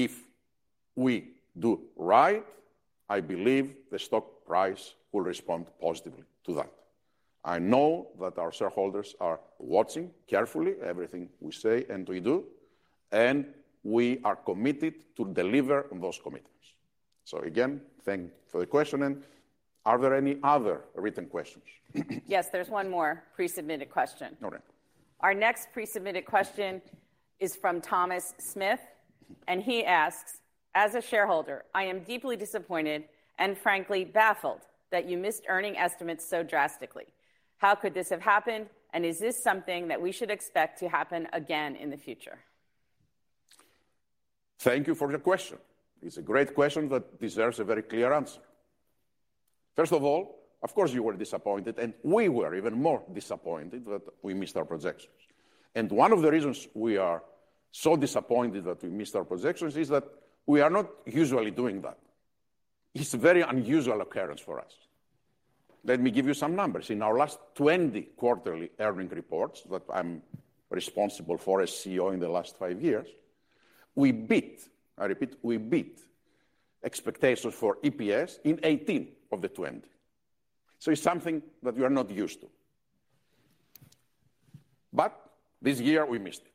If we do right, I believe the stock price will respond positively to that. I know that our shareholders are watching carefully everything we say and we do, and we are committed to deliver on those commitments. So again, thanks for the question. Are there any other written questions? Yes, there's one more pre-submitted question. All right. Our next pre-submitted question is from Thomas Smith, and he asks: As a shareholder, I am deeply disappointed and, frankly, baffled that you missed earnings estimates so drastically. How could this have happened, and is this something that we should expect to happen again in the future? Thank you for your question. It's a great question that deserves a very clear answer. First of all, of course, you were disappointed, and we were even more disappointed that we missed our projections. And one of the reasons we are so disappointed that we missed our projections is that we are not usually doing that. It's a very unusual occurrence for us. Let me give you some numbers. In our last 20 quarterly earnings reports that I'm responsible for as CEO in the last five years, we beat, I repeat, we beat expectations for EPS in 18 of the 20. So it's something that we are not used to. But this year, we missed it.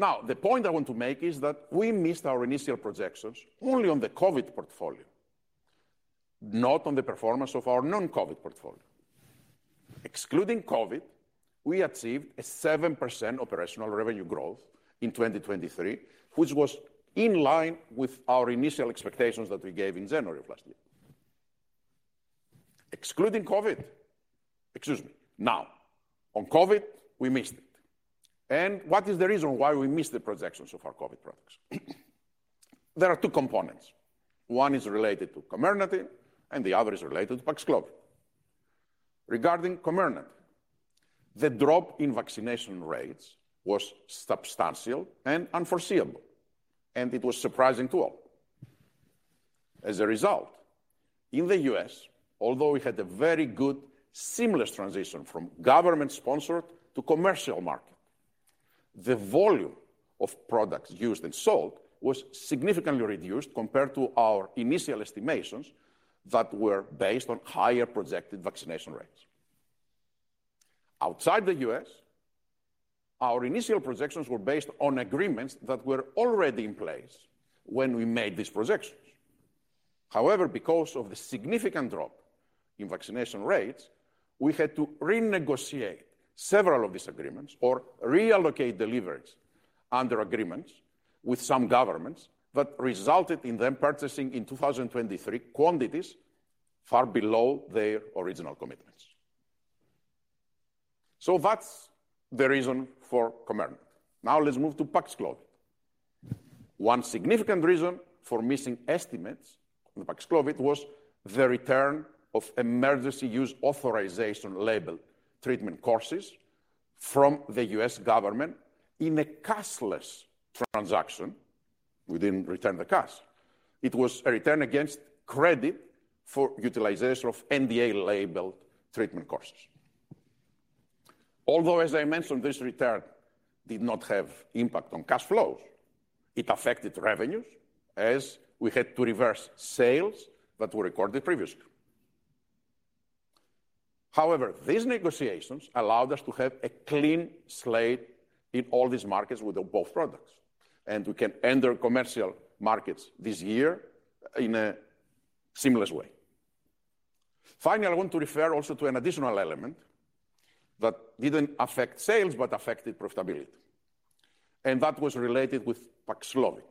Now, the point I want to make is that we missed our initial projections only on the COVID portfolio, not on the performance of our non-COVID portfolio. Excluding COVID, we achieved a 7% operational revenue growth in 2023, which was in line with our initial expectations that we gave in January of last year. Excluding COVID, excuse me, now, on COVID, we missed it. And what is the reason why we missed the projections of our COVID products? There are two components. One is related to COMIRNATY, and the other is related to PAXLOVID. Regarding COMIRNATY, the drop in vaccination rates was substantial and unforeseeable, and it was surprising to all. As a result, in the U.S., although we had a very good, seamless transition from government-sponsored to commercial market, the volume of products used and sold was significantly reduced compared to our initial estimations that were based on higher projected vaccination rates. Outside the U.S., our initial projections were based on agreements that were already in place when we made these projections. However, because of the significant drop in vaccination rates, we had to renegotiate several of these agreements or reallocate deliveries under agreements with some governments that resulted in them purchasing in 2023 quantities far below their original commitments. So that's the reason for COMIRNATY. Now, let's move to PAXLOVID. One significant reason for missing estimates on the PAXLOVID was the return of Emergency Use Authorization labeled treatment courses from the U.S. government in a cashless transaction. We didn't return the cash. It was a return against credit for utilization of NDA-labeled treatment courses. Although, as I mentioned, this return did not have impact on cash flows, it affected revenues, as we had to reverse sales that were recorded previously. However, these negotiations allowed us to have a clean slate in all these markets with both products, and we can enter commercial markets this year in a seamless way. Finally, I want to refer also to an additional element that didn't affect sales, but affected profitability, and that was related with PAXLOVID.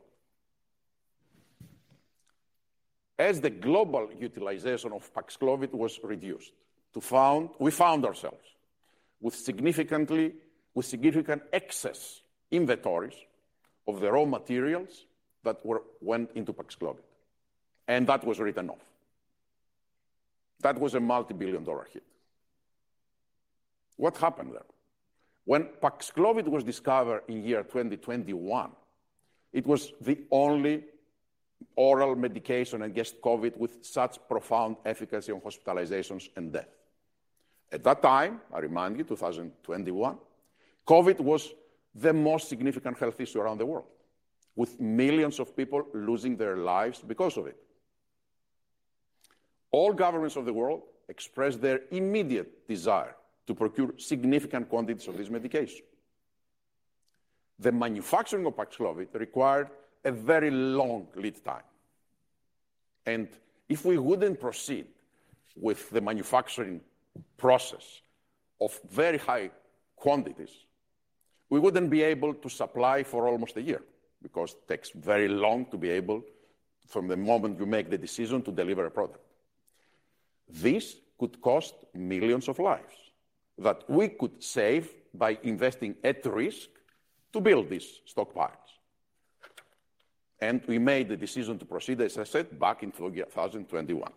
As the global utilization of PAXLOVID was reduced, we found ourselves with significant excess inventories of the raw materials that went into PAXLOVID, and that was written off. That was a multibillion-dollar hit. What happened there? When PAXLOVID was discovered in year 2021, it was the only oral medication against COVID with such profound efficacy on hospitalizations and death. At that time, I remind you, 2021, COVID was the most significant health issue around the world, with millions of people losing their lives because of it. All governments of the world expressed their immediate desire to procure significant quantities of this medication. The manufacturing of PAXLOVID required a very long lead time. If we wouldn't proceed with the manufacturing process of very high quantities, we wouldn't be able to supply for almost a year because it takes very long to be able, from the moment you make the decision to deliver a product. This could cost millions of lives that we could save by investing at risk to build these stockpiles. We made the decision to proceed, as I said, back in 2021.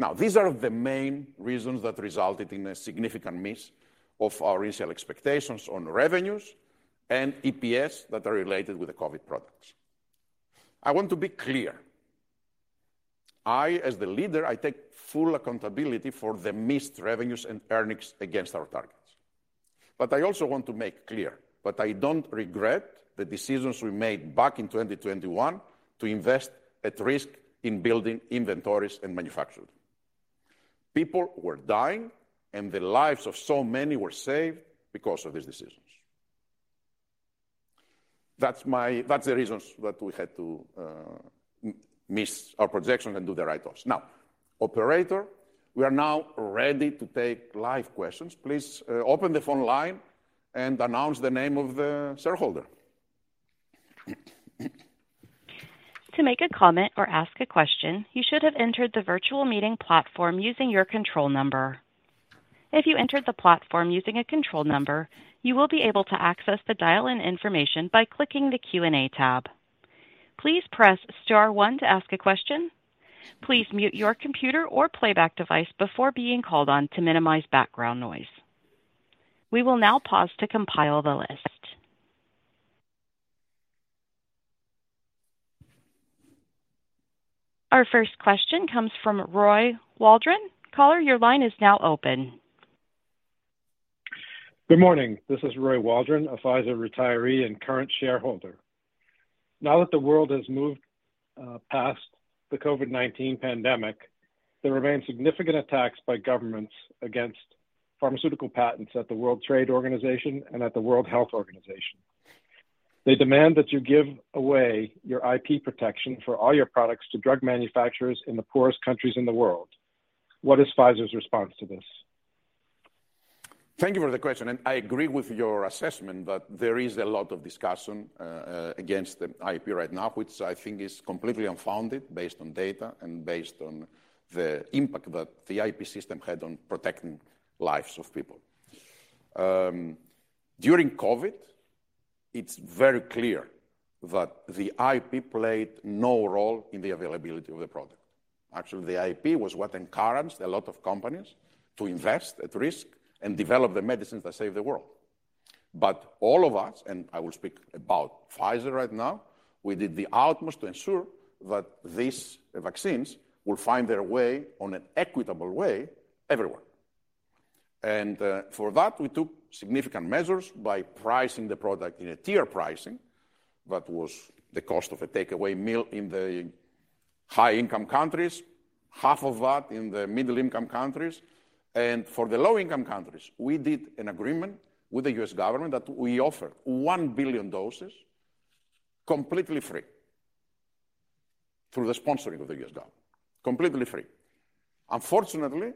Now, these are the main reasons that resulted in a significant miss of our initial expectations on revenues and EPS that are related with the COVID products. I want to be clear: I, as the leader, take full accountability for the missed revenues and earnings against our targets. But I also want to make clear that I don't regret the decisions we made back in 2021 to invest at risk in building inventories and manufacturing. People were dying, and the lives of so many were saved because of these decisions. That's the reasons that we had to miss our projections and do the write-offs. Now, operator, we are now ready to take live questions. Please open the phone line and announce the name of the shareholder. To make a comment or ask a question, you should have entered the virtual meeting platform using your Control Number. If you entered the platform using a Control Number, you will be able to access the dial-in information by clicking the Q&A tab. Please press star one to ask a question. Please mute your computer or playback device before being called on to minimize background noise. We will now pause to compile the list. Our first question comes from Roy Waldron. Caller, your line is now open. Good morning. This is Roy Waldron, a Pfizer retiree and current shareholder. Now that the world has moved past the COVID-19 pandemic, there remain significant attacks by governments against pharmaceutical patents at the World Trade Organization and at the World Health Organization. They demand that you give away your IP protection for all your products to drug manufacturers in the poorest countries in the world. What is Pfizer's response to this? Thank you for the question. I agree with your assessment that there is a lot of discussion against the IP right now, which I think is completely unfounded, based on data and based on the impact that the IP system had on protecting lives of people. During COVID, it's very clear that the IP played no role in the availability of the product. Actually, the IP was what encouraged a lot of companies to invest at risk and develop the medicines that save the world. But all of us, and I will speak about Pfizer right now, we did the utmost to ensure that these vaccines will find their way on an equitable way everywhere. And for that, we took significant measures by pricing the product in a tier pricing that was the cost of a takeaway meal in the high-income countries, half of that in the middle-income countries. And for the low-income countries, we did an agreement with the U.S. government that we offered 1 billion doses completely free through the sponsoring of the U.S. government, completely free. Unfortunately,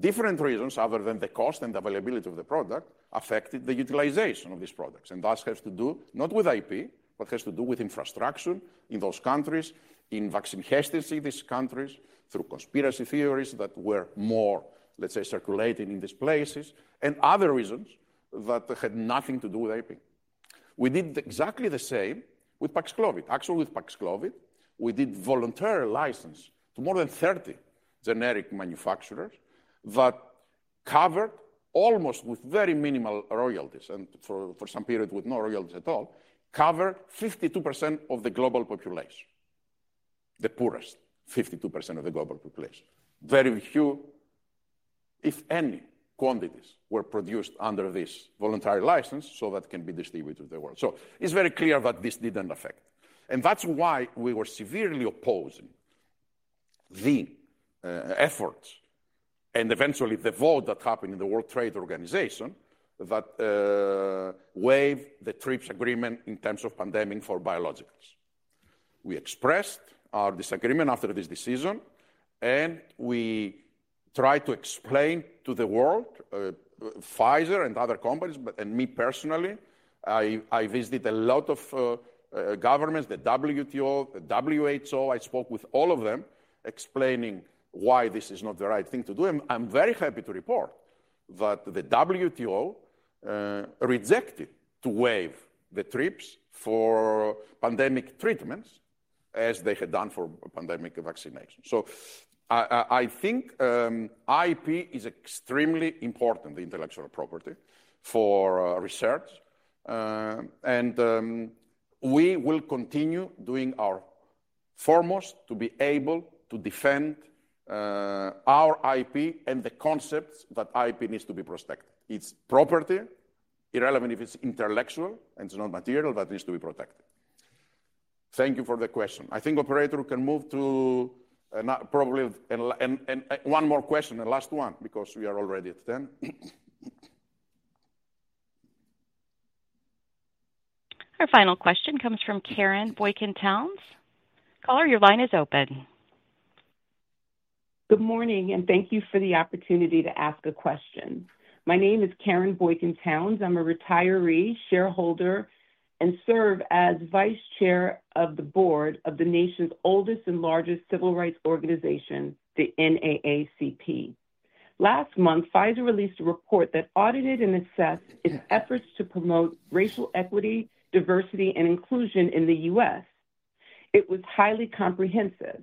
different reasons other than the cost and the availability of the product affected the utilization of these products, and thus has to do not with IP, but has to do with infrastructure in those countries, in vaccine hesitancy in these countries through conspiracy theories that were more, let's say, circulating in these places, and other reasons that had nothing to do with IP. We did exactly the same with PAXLOVID. Actually, with PAXLOVID, we did voluntary license to more than 30 generic manufacturers that covered almost with very minimal royalties and for some period with no royalties at all, covered 52% of the global population, the poorest 52% of the global population. Very few, if any, quantities were produced under this voluntary license so that it can be distributed to the world. So, it's very clear that this didn't affect. And that's why we were severely opposing the efforts and eventually the vote that happened in the World Trade Organization that waived the TRIPS agreement in terms of pandemic for biologicals. We expressed our disagreement after this decision, and we tried to explain to the world, Pfizer and other companies, and me personally, I visited a lot of governments: the WTO, the WHO. I spoke with all of them, explaining why this is not the right thing to do. And I'm very happy to report that the WTO rejected to waive the TRIPS for pandemic treatments, as they had done for pandemic vaccinations. So I think IP is extremely important, the intellectual property, for research, and we will continue doing our foremost to be able to defend our IP and the concepts that IP needs to be protected. It's property, irrelevant if it's intellectual and it's not material, but it needs to be protected. Thank you for the question. I think, operator, we can move to probably one more question, the last one, because we are already at 10:00 A.M. Our final question comes from Karen Boykin-Towns. Caller, your line is open. Good morning and thank you for the opportunity to ask a question. My name is Karen Boykin-Towns. I'm a retiree shareholder and serve as Vice Chair of the Board of the nation's oldest and largest civil rights organization, the NAACP. Last month, Pfizer released a report that audited and assessed its efforts to promote racial equity, diversity, and inclusion in the U.S. It was highly comprehensive.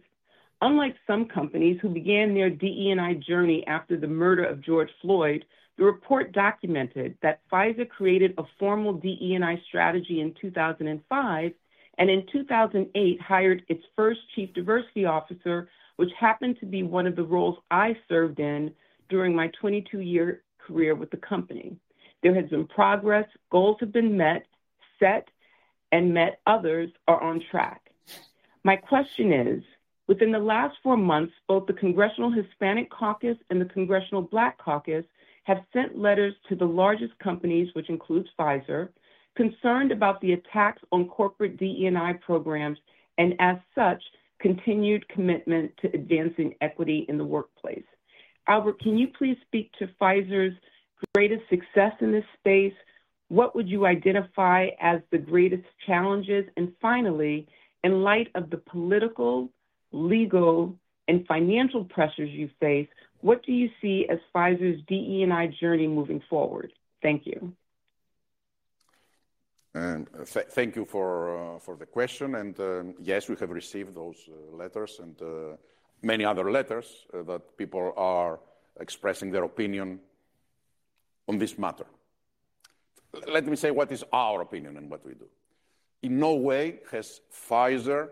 Unlike some companies who began their DE&I journey after the murder of George Floyd, the report documented that Pfizer created a formal DE&I strategy in 2005 and in 2008 hired its first Chief Diversity Officer, which happened to be one of the roles I served in during my 22-year career with the company. There has been progress. Goals have been met, set, and met. Others are on track. My question is: Within the last four months, both the Congressional Hispanic Caucus and the Congressional Black Caucus have sent letters to the largest companies, which includes Pfizer, concerned about the attacks on corporate DE&I programs and, as such, continued commitment to advancing equity in the workplace. Albert, can you please speak to Pfizer's greatest success in this space? What would you identify as the greatest challenges? And finally, in light of the political, legal, and financial pressures you face, what do you see as Pfizer's DE&I journey moving forward? Thank you. Thank you for the question. Yes, we have received those letters and many other letters that people are expressing their opinion on this matter. Let me say what is our opinion and what we do. In no way has Pfizer's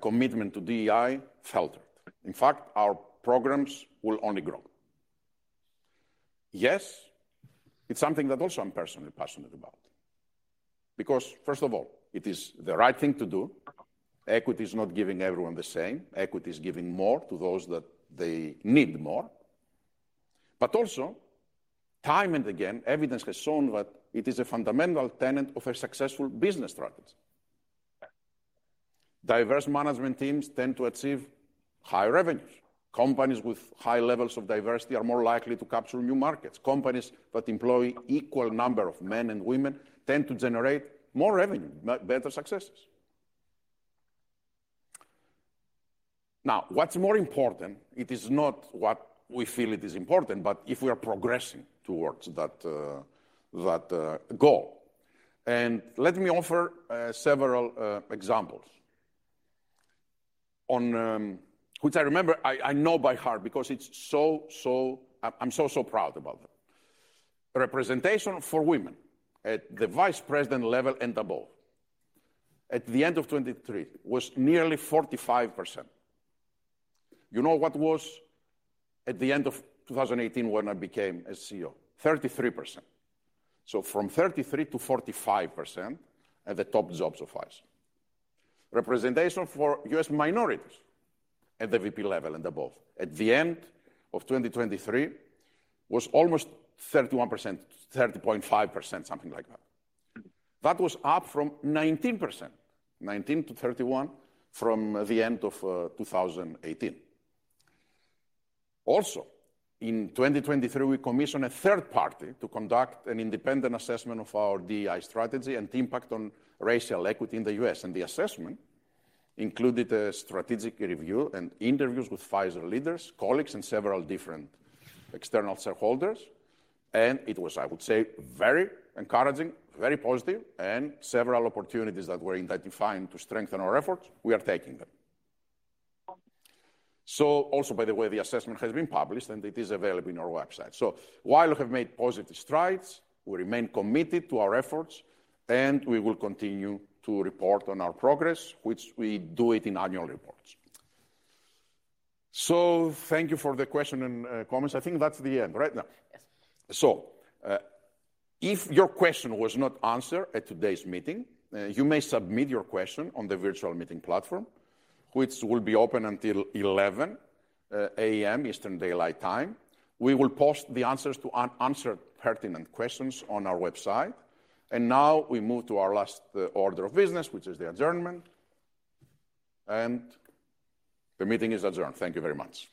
commitment to DEI faltered. In fact, our programs will only grow. Yes, it's something that also I'm personally passionate about because, first of all, it is the right thing to do. Equity is not giving everyone the same. Equity is giving more to those that they need more. But also, time and again, evidence has shown that it is a fundamental tenet of a successful business strategy. Diverse management teams tend to achieve higher revenues. Companies with high levels of diversity are more likely to capture new markets. Companies that employ an equal number of men and women tend to generate more revenue, better successes. Now, what's more important? It is not what we feel it is important, but if we are progressing towards that goal. And let me offer several examples, which I remember, I know by heart because it's so, so I'm so, so proud about them: Representation for women at the Vice President level and above, at the end of 2023, was nearly 45%. You know what it was at the end of 2018 when I became CEO? 33%. So, from 33% to 45% at the top jobs of Pfizer. Representation for U.S. minorities at the VP level and above, at the end of 2023, was almost 31%, 30.5%, something like that. That was up from 19%, 19% to 31%, from the end of 2018. Also, in 2023, we commissioned a third party to conduct an independent assessment of our DEI strategy and impact on racial equity in the U.S. The assessment included a strategic review and interviews with Pfizer leaders, colleagues, and several different external shareholders. It was, I would say, very encouraging, very positive, and several opportunities that were identified to strengthen our efforts. We are taking them. Also, by the way, the assessment has been published and it is available on our website. While we have made positive strides, we remain committed to our efforts and we will continue to report on our progress, which we do in annual reports. Thank you for the questions and comments. I think that's the end right now. If your question was not answered at today's meeting, you may submit your question on the virtual meeting platform, which will be open until 11:00 A.M., Eastern Daylight Time. We will post the answers to unanswered pertinent questions on our website. Now, we move to our last order of business, which is the adjournment. The meeting is adjourned. Thank you very much.